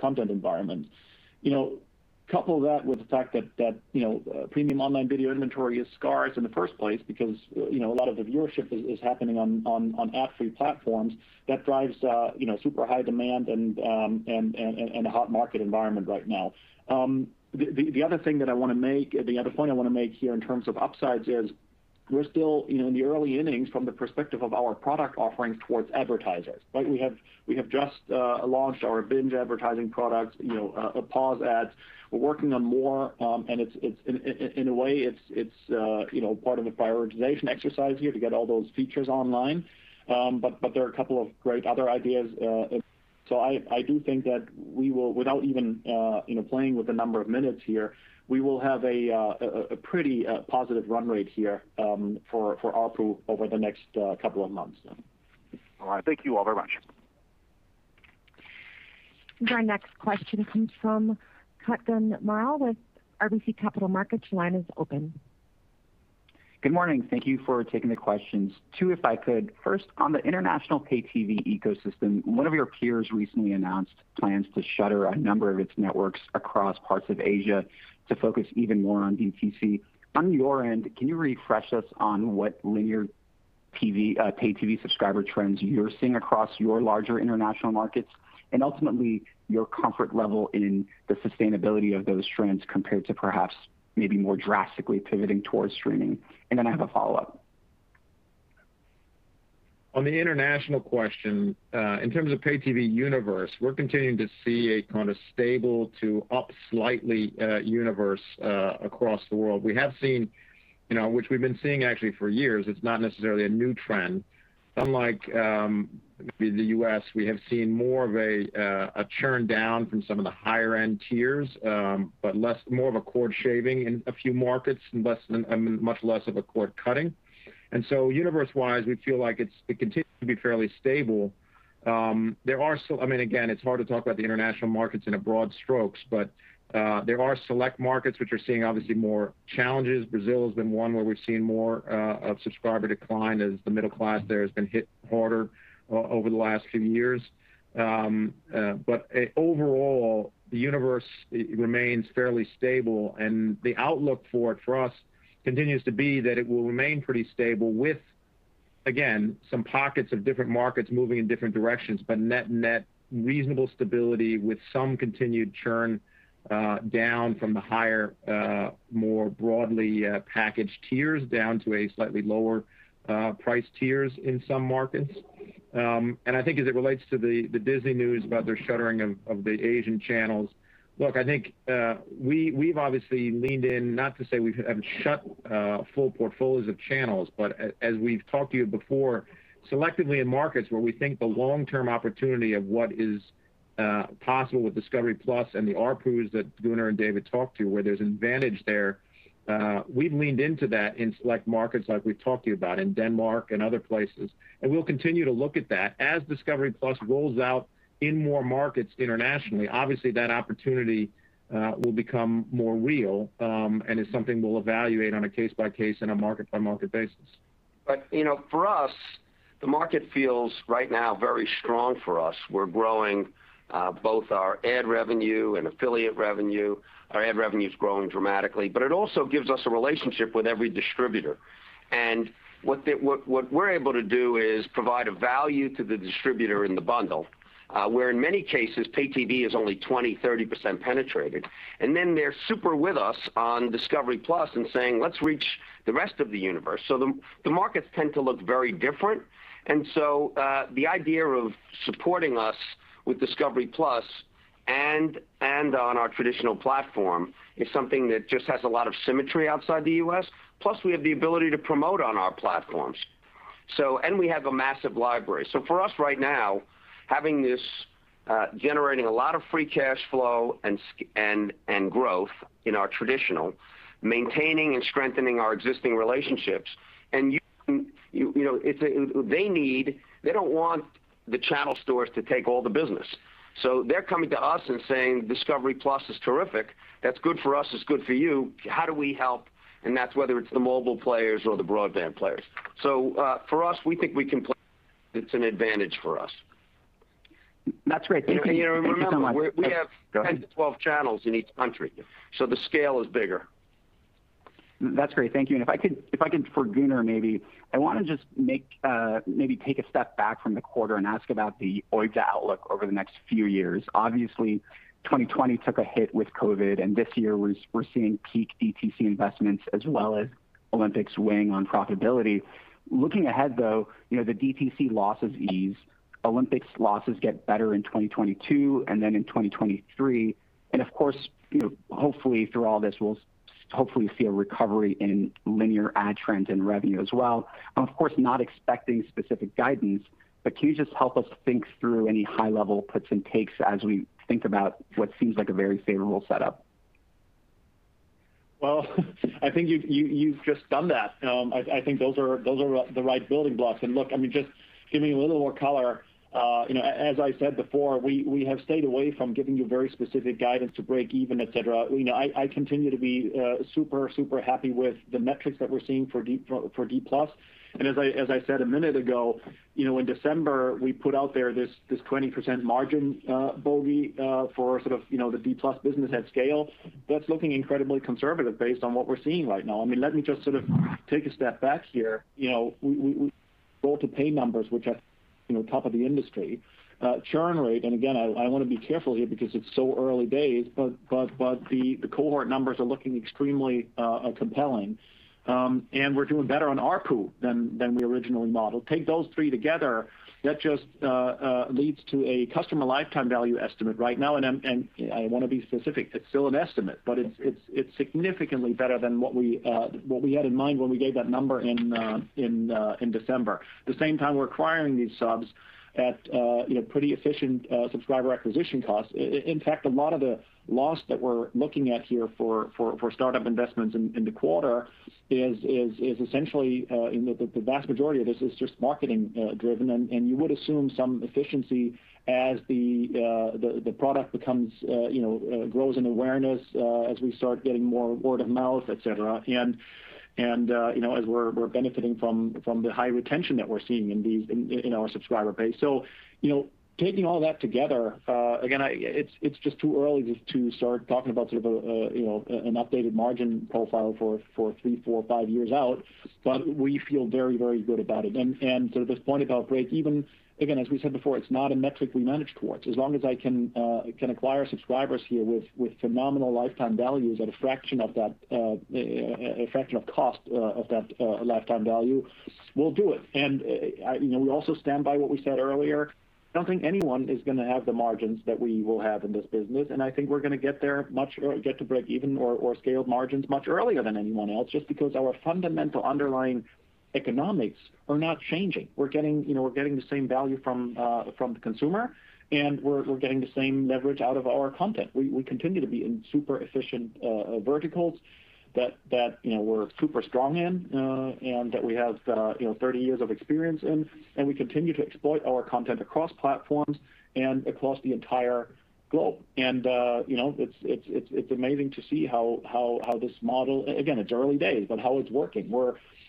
content environment. Couple that with the fact that premium online video inventory is scarce in the first place because a lot of the viewership is happening on ad-free platforms. That drives super high demand and a hot market environment right now. The other point I want to make here in terms of upsides is we're still in the early innings from the perspective of our product offerings towards advertisers, right? We have just launched our binge advertising product, pause ads. We're working on more, and in a way, it's part of the prioritization exercise here to get all those features online. There are a couple of great other ideas. I do think that without even playing with the number of minutes here, we will have a pretty positive run rate here for ARPU over the next couple of months now. All right. Thank you all very much. Our next question comes from Kutgun Maral with RBC Capital Markets. Good morning. Thank you for taking the questions. Two, if I could. First, on the international pay TV ecosystem, one of your peers recently announced plans to shutter a number of its networks across parts of Asia to focus even more on DTC. On your end, can you refresh us on what linear pay TV subscriber trends you're seeing across your larger international markets? Ultimately, your comfort level in the sustainability of those trends compared to perhaps maybe more drastically pivoting towards streaming. Then I have a follow-up. On the international question, in terms of pay TV universe, we're continuing to see a kind of stable to up slightly universe across the world. We have seen, which we've been seeing actually for years, it's not necessarily a new trend. Unlike maybe the U.S., we have seen more of a churn down from some of the higher-end tiers, but more of a cord shaving in a few markets and much less of a cord cutting. Universe-wise, we feel like it continues to be fairly stable. Again, it's hard to talk about the international markets in a broad strokes, but there are select markets which are seeing obviously more challenges. Brazil has been one where we've seen more of subscriber decline as the middle class there has been hit harder over the last few years. Overall, the universe remains fairly stable, and the outlook for it for us continues to be that it will remain pretty stable with, again, some pockets of different markets moving in different directions, but net reasonable stability with some continued churn down from the higher, more broadly packaged tiers down to a slightly lower price tiers in some markets. I think as it relates to the Disney news about their shuttering of the Asian channels. Look, I think we've obviously leaned in, not to say we haven't shut full portfolios of channels, but as we've talked to you before, selectively in markets where we think the long-term opportunity of what is possible with Discovery+ and the ARPUs that Gunnar and David talked to, where there's advantage there, we've leaned into that in select markets like we've talked to you about in Denmark and other places. We'll continue to look at that. As Discovery+ rolls out in more markets internationally, obviously that opportunity will become more real and is something we'll evaluate on a case-by-case and a market-by-market basis. For us, the market feels right now very strong for us. We're growing both our ad revenue and affiliate revenue. Our ad revenue is growing dramatically, but it also gives us a relationship with every distributor. What we're able to do is provide a value to the distributor in the bundle where, in many cases, pay TV is only 20%, 30% penetrated. They're super with us on Discovery+ and saying, "Let's reach the rest of the universe." The markets tend to look very different. The idea of supporting us with Discovery+ and on our traditional platform is something that just has a lot of symmetry outside the U.S. We have the ability to promote on our platforms. We have a massive library. For us right now, having this generating a lot of free cash flow and growth in our traditional, maintaining and strengthening our existing relationships. They don't want the channel stores to take all the business. They're coming to us and saying discovery+ is terrific. That's good for us, it's good for you. How do we help? That's whether it's the mobile players or the broadband players. For us, we think we can play. It's an advantage for us. That's great. Thank you so much. And remember- Go ahead. We have 10 to 12 channels in each country, so the scale is bigger. That's great. Thank you. If I could for Gunnar maybe, I want to just maybe take a step back from the quarter and ask about the OIBDA outlook over the next few years. Obviously, 2020 took a hit with COVID, and this year we're seeing peak DTC investments as well as Olympics weighing on profitability. Looking ahead though, the DTC losses ease, Olympics losses get better in 2022 and then in 2023, and of course, hopefully through all this, we'll hopefully see a recovery in linear ad trends and revenue as well. I'm of course not expecting specific guidance, but can you just help us think through any high-level puts and takes as we think about what seems like a very favorable setup? Well, I think you've just done that. I think those are the right building blocks. Look, just giving a little more color, as I said before, we have stayed away from giving you very specific guidance to break even, et cetera. I continue to be super happy with the metrics that we're seeing for D+. As I said a minute ago, in December, we put out there this 20% margin bogey for sort of the D+ business at scale. That's looking incredibly conservative based on what we're seeing right now. Let me just sort of take a step back here. We roll-to-pay numbers which are top of the industry. Churn rate, and again, I want to be careful here because it's so early days, but the cohort numbers are looking extremely compelling. We're doing better on ARPU than we originally modeled. Take those three together, that just leads to a customer lifetime value estimate right now. I want to be specific, it's still an estimate, but it's significantly better than what we had in mind when we gave that number in December. The same time we're acquiring these subs at pretty efficient subscriber acquisition costs. In fact, a lot of the loss that we're looking at here for startup investments in the quarter is essentially the vast majority of this is just marketing driven. You would assume some efficiency as the product grows in awareness, as we start getting more word of mouth, et cetera, and as we're benefiting from the high retention that we're seeing in our subscriber base. Taking all that together, again, it's just too early to start talking about sort of an updated margin profile for three, four, five years out. We feel very good about it. Sort of this point about break even, again, as we said before, it's not a metric we manage towards. As long as I can acquire subscribers here with phenomenal lifetime values at a fraction of cost of that lifetime value, we'll do it. We also stand by what we said earlier. I don't think anyone is going to have the margins that we will have in this business, and I think we're going to get to break even or scaled margins much earlier than anyone else, just because our fundamental underlying economics are not changing. We're getting the same value from the consumer, and we're getting the same leverage out of our content. We continue to be in super efficient verticals that we're super strong in, that we have 30 years of experience in, and we continue to exploit our content across platforms and across the entire globe. It's amazing to see how this model, again, it's early days, but how it's working.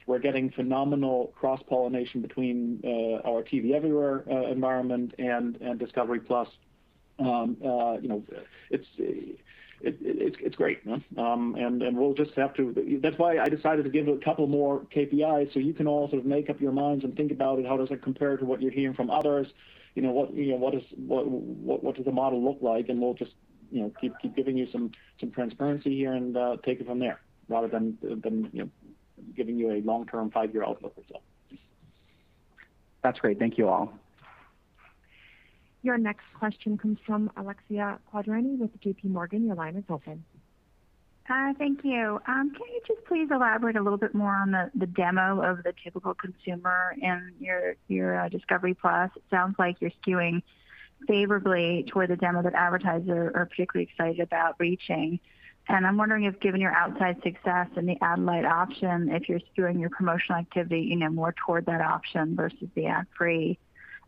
We're getting phenomenal cross-pollination between our TV Everywhere environment and Discovery+. It's great. That's why I decided to give a couple more KPIs so you can all sort of make up your minds and think about it. How does it compare to what you're hearing from others? What does the model look like? We'll just keep giving you some transparency here and take it from there, rather than giving you a long-term five-year outlook or so. That's great. Thank you all. Your next question comes from Alexia Quadrani with JPMorgan. Your line is open. Hi, thank you. Can you just please elaborate a little bit more on the demo of the typical consumer and your Discovery+? It sounds like you're skewing favorably toward the demo that advertisers are particularly excited about reaching. I'm wondering if, given your outsized success and the ad-light option, if you're skewing your promotional activity more toward that option versus the ad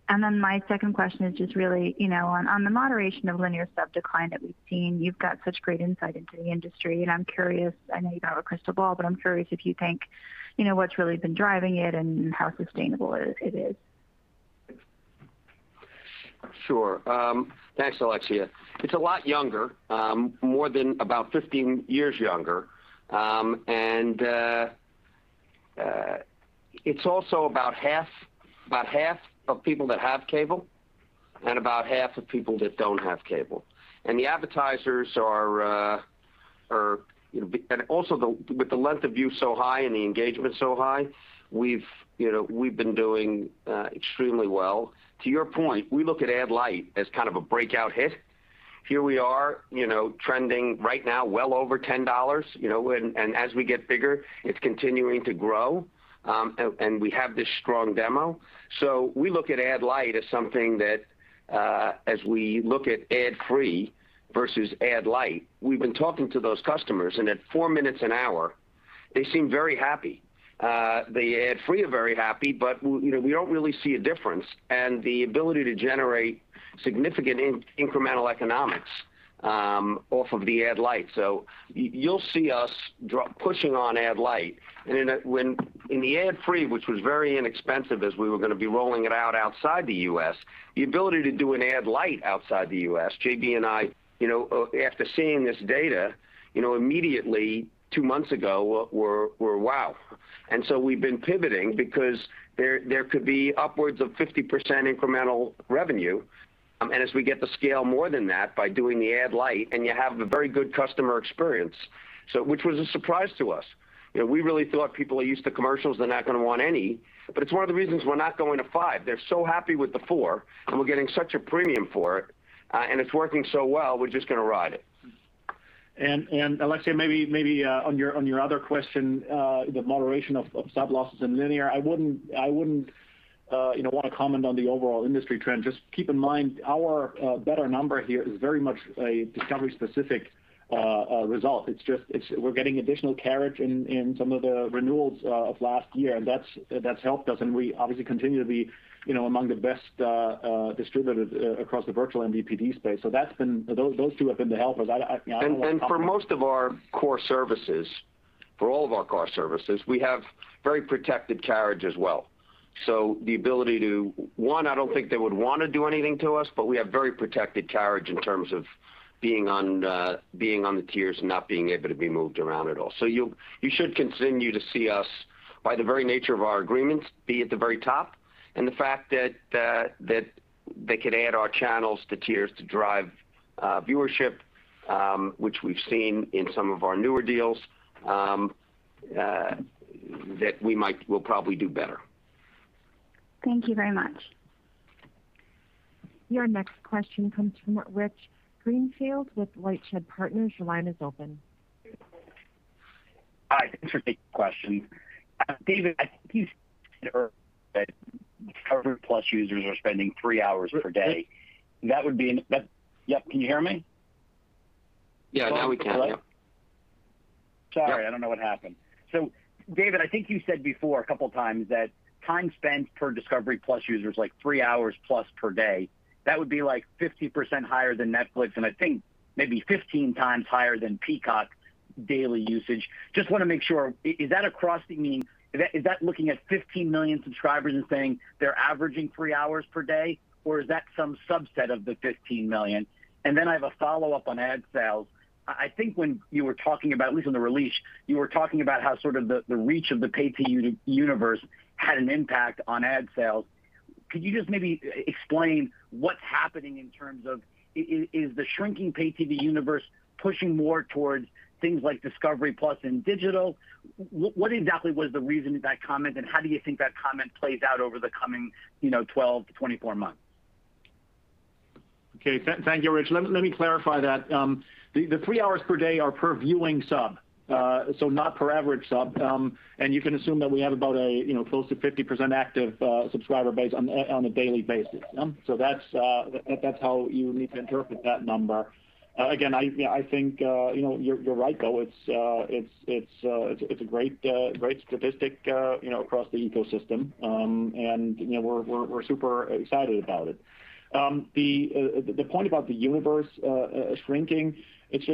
free. My second question is just really on the moderation of linear sub decline that we've seen. You've got such great insight into the industry, and I'm curious, I know you don't have a crystal ball, but I'm curious if you think what's really been driving it and how sustainable it is. Sure. Thanks, Alexia. It's a lot younger, more than about 15 years younger. It's also about half of people that have cable and about half of people that don't have cable. The advertisers are. Also with the length of view so high and the engagement so high, we've been doing extremely well. To your point, we look at ad-light as kind of a breakout hit. Here we are trending right now well over $10. As we get bigger, it's continuing to grow, and we have this strong demo. We look at ad-light as something that, as we look at ad-free versus ad-light, we've been talking to those customers, and at four minutes an hour, they seem very happy. The Ad Free are very happy, we don't really see a difference and the ability to generate significant incremental economics off of the ad-light. You'll see us pushing on ad-light. In the Ad Free, which was very inexpensive as we were going to be rolling it out outside the U.S., the ability to do an ad-light outside the U.S., JB and I, after seeing this data, immediately two months ago, were, "Wow." We've been pivoting because there could be upwards of 50% incremental revenue, and as we get the scale more than that by doing the ad-light, and you have a very good customer experience, which was a surprise to us. We really thought people are used to commercials, they're not going to want any. It's one of the reasons we're not going to five. They're so happy with the four, and we're getting such a premium for it, and it's working so well, we're just going to ride it. Alexia, maybe on your other question, the moderation of sub losses in linear, I wouldn't want to comment on the overall industry trend. Just keep in mind our better number here is very much a Discovery specific result. We're getting additional carriage in some of the renewals of last year and that's helped us, and we obviously continue to be among the best distributors across the virtual MVPD space. Those two have been the helpers. I don't want to comment. For most of our core services, for all of our core services, we have very protected carriage as well. The ability to, one, I don't think they would want to do anything to us, but we have very protected carriage in terms of being on the tiers and not being able to be moved around at all. You should continue to see us, by the very nature of our agreements, be at the very top. The fact that they could add our channels to tiers to drive viewership, which we've seen in some of our newer deals, that we'll probably do better. Thank you very much. Your next question comes from Rich Greenfield with LightShed Partners. Your line is open. Hi. Thanks for taking the question. David, I think you said earlier that discovery+ users are spending three hours per day. Yep, can you hear me? Yeah, now we can. Yep. Sorry, I don't know what happened. David, I think you said before a couple of times that time spent per Discovery+ user is like three hours plus per day. That would be like 50% higher than Netflix, and I think maybe 15x higher than Peacock daily usage. Just want to make sure, is that a crossing mean? Is that looking at 15 million subscribers and saying they're averaging three hours per day, or is that some subset of the 15 million? I have a follow-up on ad sales. I think when you were talking about, at least on the release, you were talking about how sort of the reach of the pay TV universe had an impact on ad sales. Could you just maybe explain what's happening in terms of, is the shrinking pay TV universe pushing more towards things like Discovery+ and digital? What exactly was the reason for that comment, and how do you think that comment plays out over the coming 12months-24 months? Okay. Thank you, Rich. Let me clarify that. The three hours per day are per viewing sub, so not per average sub. You can assume that we have about close to 50% active subscriber base on a daily basis. That's how you need to interpret that number. Again, I think you're right, though. It's a great statistic across the ecosystem. We're super excited about it. The point about the universe shrinking, as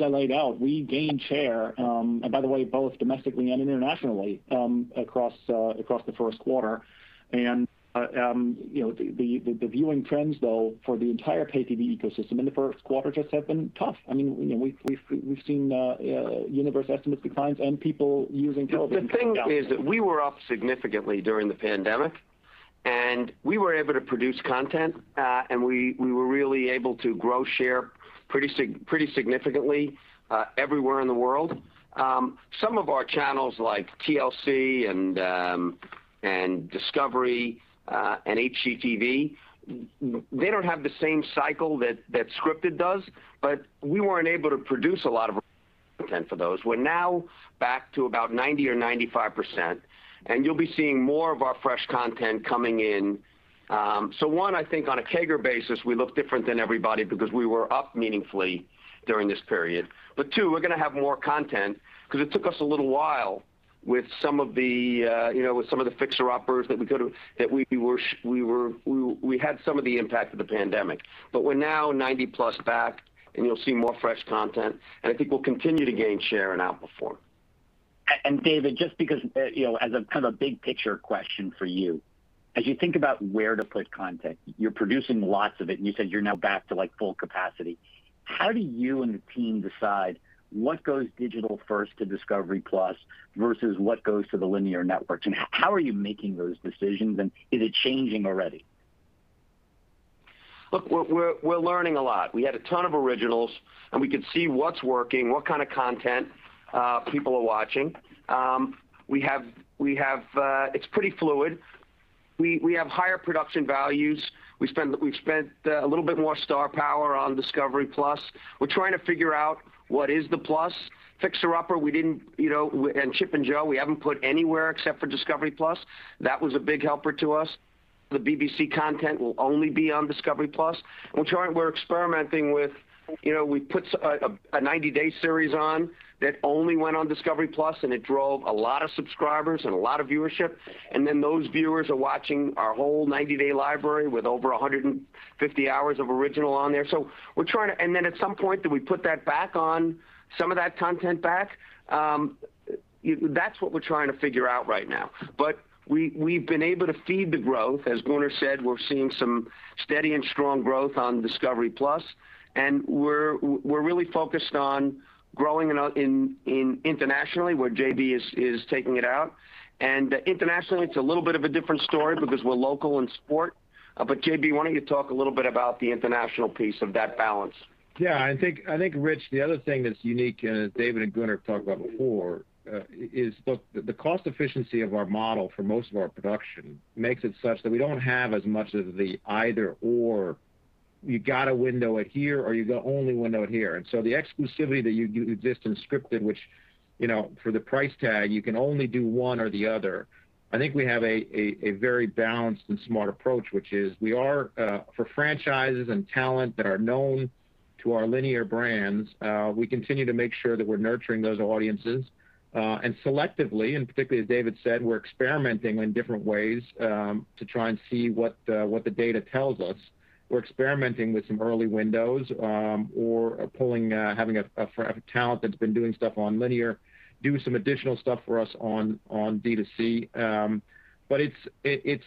I laid out, we gained share, and by the way, both domestically and internationally, across the first quarter. The viewing trends, though, for the entire pay TV ecosystem in the first quarter just have been tough. We've seen universe estimates decline and people using. The thing is that we were up significantly during the pandemic, and we were able to produce content, and we were really able to grow share pretty significantly everywhere in the world. Some of our channels, like TLC and Discovery and HGTV, they don't have the same cycle that scripted does, but we weren't able to produce a lot of content for those. We're now back to about 90% or 95%, and you'll be seeing more of our fresh content coming in. One, I think on a CAGR basis, we look different than everybody because we were up meaningfully during this period. Two, we're going to have more content because it took us a little while with some of the fixer-uppers that we had some of the impact of the pandemic. We're now 90%+ back, and you'll see more fresh content, and I think we'll continue to gain share and outperform. David, just because as a kind of a big picture question for you, as you think about where to put content, you're producing lots of it, and you said you're now back to full capacity. How do you and the team decide what goes digital first to Discovery+ versus what goes to the linear networks? How are you making those decisions, and is it changing already? Look, we're learning a lot. We had a ton of originals, and we could see what's working, what kind of content people are watching. It's pretty fluid. We have higher production values. We've spent a little bit more star power on Discovery+. We're trying to figure out what is the plus. "Fixer Upper" and "Chip and Jo" we haven't put anywhere except for Discovery+. That was a big helper to us. The BBC content will only be on Discovery+. We put a 90 day series on that only went on Discovery+, and it drove a lot of subscribers and a lot of viewership. Those viewers are watching our whole 90 day library with over 150 hours of original on there. At some point, do we put some of that content back? That's what we're trying to figure out right now. We've been able to feed the growth. As Gunnar said, we're seeing some steady and strong growth on Discovery+. We're really focused on growing internationally, where JB is taking it out. Internationally, it's a little bit of a different story because we're local in sport. JB, why don't you talk a little bit about the international piece of that balance? Yeah. I think, Rich, the other thing that's unique, and as David and Gunnar have talked about before, is look, the cost efficiency of our model for most of our production makes it such that we don't have as much of the either/or, you got to window it here, or you got to only window it here. The exclusivity that you exist in scripted, which for the price tag, you can only do one or the other. I think we have a very balanced and smart approach, which is, for franchises and talent that are known to our linear brands, we continue to make sure that we're nurturing those audiences. Selectively, and particularly as David said, we're experimenting in different ways to try and see what the data tells us. We're experimenting with some early windows or having a talent that's been doing stuff on linear do some additional stuff for us on D2C.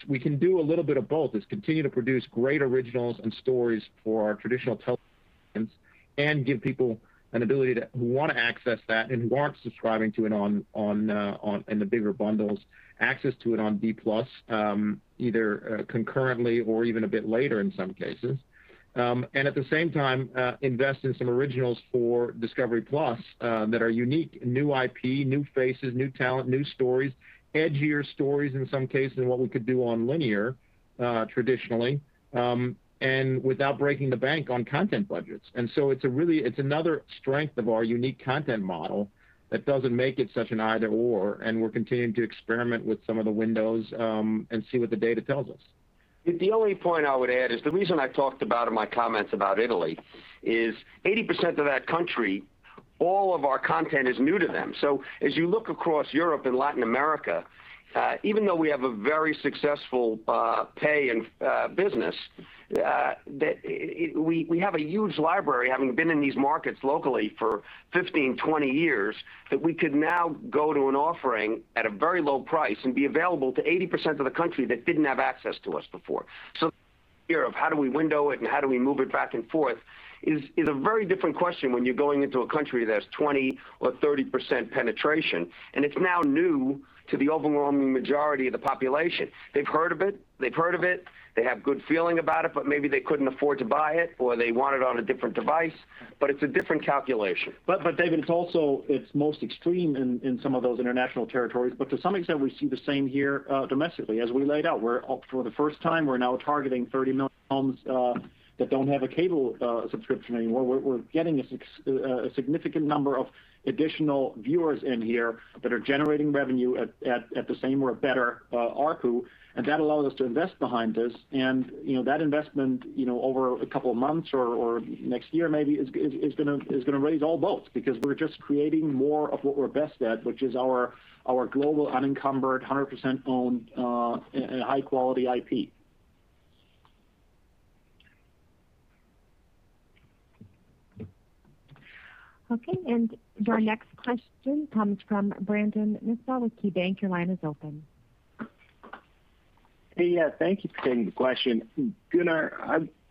We can do a little bit of both, is continue to produce great originals and stories for our traditional television and give people an ability, who want to access that and who aren't subscribing to it in the bigger bundles, access to it on D+, either concurrently or even a bit later in some cases. At the same time, invest in some originals for Discovery+ that are unique. New IP, new faces, new talent, new stories, edgier stories in some cases than what we could do on linear traditionally, and without breaking the bank on content budgets. It's another strength of our unique content model that doesn't make it such an either/or, and we're continuing to experiment with some of the windows and see what the data tells us. The only point I would add is the reason I talked about in my comments about Italy is 80% of that country, all of our content is new to them. As you look across Europe and Latin America, even though we have a very successful pay business, we have a huge library, having been in these markets locally for 15, 20 years, that we could now go to an offering at a very low price and be available to 80% of the country that didn't have access to us before. How do we window it and how do we move it back and forth is a very different question when you're going into a country that's 20% or 30% penetration. It's now new to the overwhelming majority of the population. They've heard of it, they have good feeling about it, but maybe they couldn't afford to buy it, or they want it on a different device, but it's a different calculation. David, it's most extreme in some of those international territories. To some extent, we see the same here domestically as we laid out. For the first time, we're now targeting 30 million homes that don't have a cable subscription anymore. We're getting a significant number of additional viewers in here that are generating revenue at the same or a better ARPU, and that allows us to invest behind this. That investment over a couple of months or next year maybe, is going to raise all boats because we're just creating more of what we're best at, which is our global, unencumbered, 100%-owned, high quality IP. Okay. Our next question comes from Brandon Nispel with KeyBanc. Your line is open. Hey. Thank you for taking the question. Gunnar,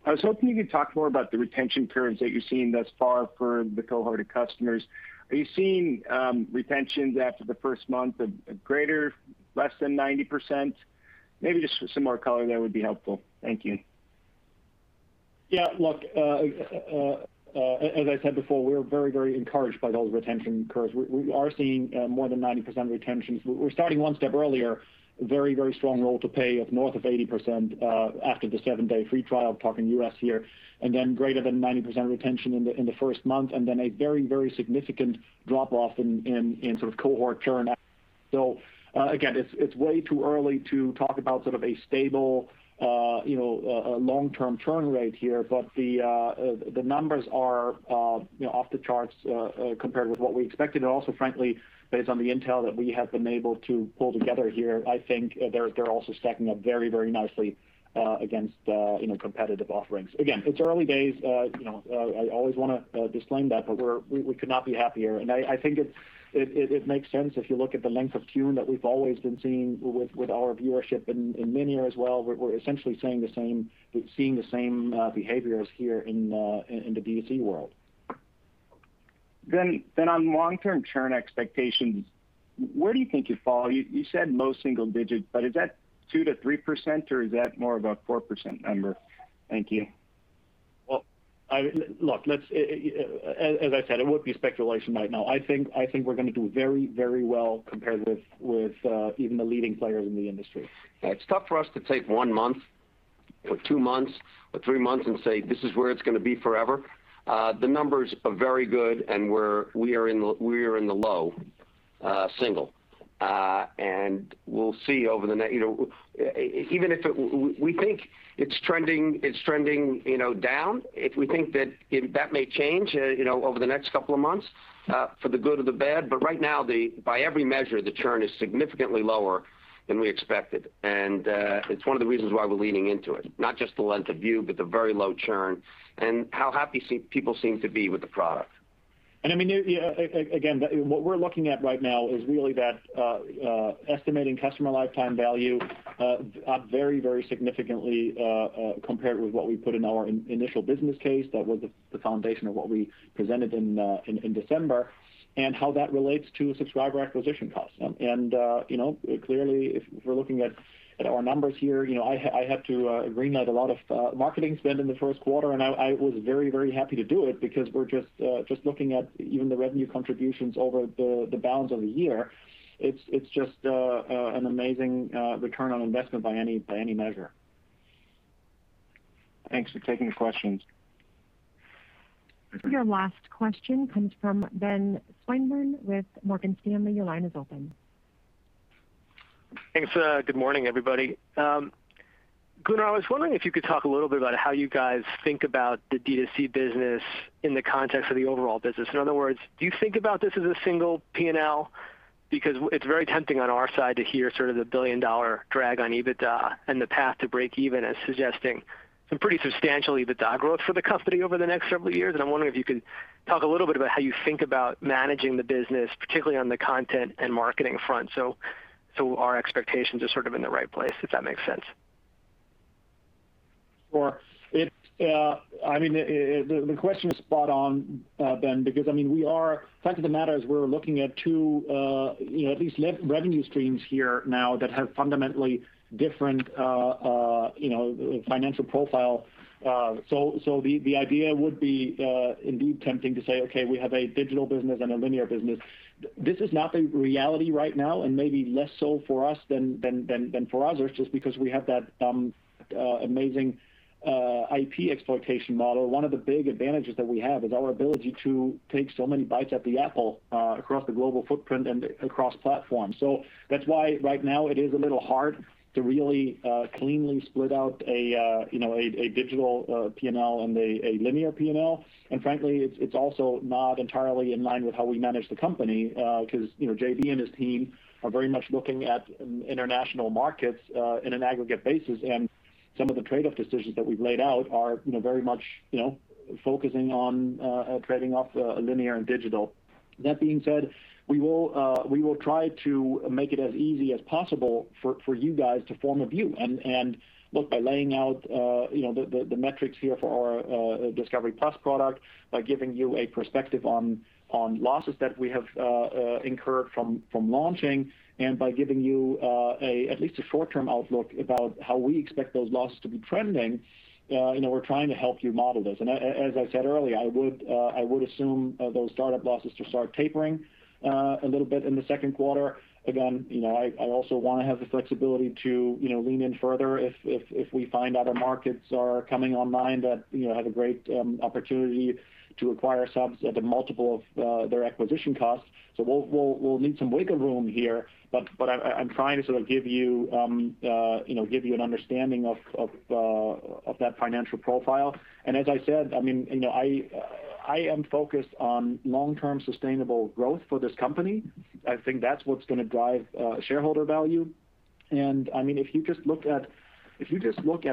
I was hoping you could talk more about the retention curves that you're seeing thus far for the cohorted customers. Are you seeing retentions after the first month of greater, less than 90%? Maybe just some more color there would be helpful. Thank you. Yeah. Look, as I said before, we are very encouraged by those retention curves. We are seeing more than 90% retentions. We're starting one step earlier. Very strong roll to pay of north of 80% after the seven-day free trial, talking U.S. here. Greater than 90% retention in the first month, and then a very significant drop-off in sort of cohort churn. Again, it's way too early to talk about sort of a stable long-term churn rate here. The numbers are off the charts compared with what we expected. Frankly, based on the intel that we have been able to pull together here, I think they're also stacking up very nicely against competitive offerings. Again, it's early days. I always want to disclaim that, but we could not be happier. I think it makes sense if you look at the length of tune that we've always been seeing with our viewership in linear as well. We're essentially seeing the same behaviors here in the DTC world. On long-term churn expectations, where do you think you fall? You said low single digits, but is that 2%-3%, or is that more of a 4% number? Thank you. Well, look, as I said, it would be speculation right now. I think we're going to do very, very well compared with even the leading players in the industry. It's tough for us to take one month or two months or three months and say, "This is where it's going to be forever." The numbers are very good, we are in the low single. We think it's trending down. If we think that may change over the next couple of months, for the good or the bad. Right now, by every measure, the churn is significantly lower than we expected. It's one of the reasons why we're leaning into it, not just the length of view, but the very low churn and how happy people seem to be with the product. Again, what we're looking at right now is really that estimating customer lifetime value up very, very significantly compared with what we put in our initial business case. That was the foundation of what we presented in December and how that relates to subscriber acquisition costs. Clearly, if we're looking at our numbers here, I had to ring out a lot of marketing spend in the first quarter, and I was very, very happy to do it because we're just looking at even the revenue contributions over the bounds of the year. It's just an amazing return on investment by any measure. Thanks for taking the questions. Your last question comes from Ben Swinburne with Morgan Stanley. Your line is open. Thanks. Good morning, everybody. Gunnar, I was wondering if you could talk a little bit about how you guys think about the D2C business in the context of the overall business. In other words, do you think about this as a single P&L? It's very tempting on our side to hear sort of the billion-dollar drag on EBITDA and the path to break even as suggesting some pretty substantial EBITDA growth for the company over the next several years. I'm wondering if you can talk a little bit about how you think about managing the business, particularly on the content and marketing front. Our expectations are sort of in the right place, if that makes sense. Sure. The question is spot on, Ben, because fact of the matter is we're looking at two at least revenue streams here now that have fundamentally different financial profile. The idea would be indeed tempting to say, "Okay, we have a digital business and a linear business." This is not the reality right now and maybe less so for us than for others, just because we have that amazing IP exploitation model. One of the big advantages that we have is our ability to take so many bites at the apple across the global footprint and across platforms. That's why right now it is a little hard to really cleanly split out a digital P&L and a linear P&L. Frankly, it's also not entirely in line with how we manage the company because JB and his team are very much looking at international markets in an aggregate basis. Some of the trade-off decisions that we've laid out are very much focusing on trading off linear and digital. That being said, we will try to make it as easy as possible for you guys to form a view and look by laying out the metrics here for our Discovery+ product by giving you a perspective on losses that we have incurred from launching and by giving you at least a short-term outlook about how we expect those losses to be trending. We're trying to help you model this. As I said earlier, I would assume those startup losses to start tapering a little bit in the second quarter. I also want to have the flexibility to lean in further if we find other markets are coming online that have a great opportunity to acquire subs at a multiple of their acquisition costs. We'll need some wiggle room here, but what I'm trying to sort of give you an understanding of that financial profile. As I said, I am focused on long-term sustainable growth for this company. I think that's what's going to drive shareholder value. If you just look at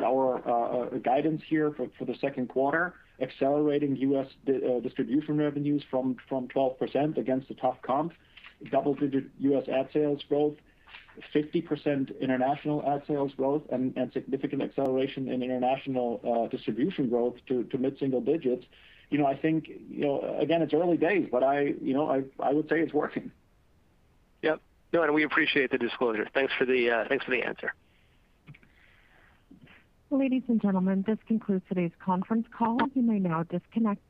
our guidance here for the second quarter, accelerating U.S. distribution revenues from 12% against the tough comp, double-digit U.S. ad sales growth, 50% international ad sales growth, and significant acceleration in international distribution growth to mid-single digits. I think, again, it's early days, but I would say it's working. Yep. No, we appreciate the disclosure. Thanks for the answer. Ladies and gentlemen, this concludes today's conference call. You may now disconnect.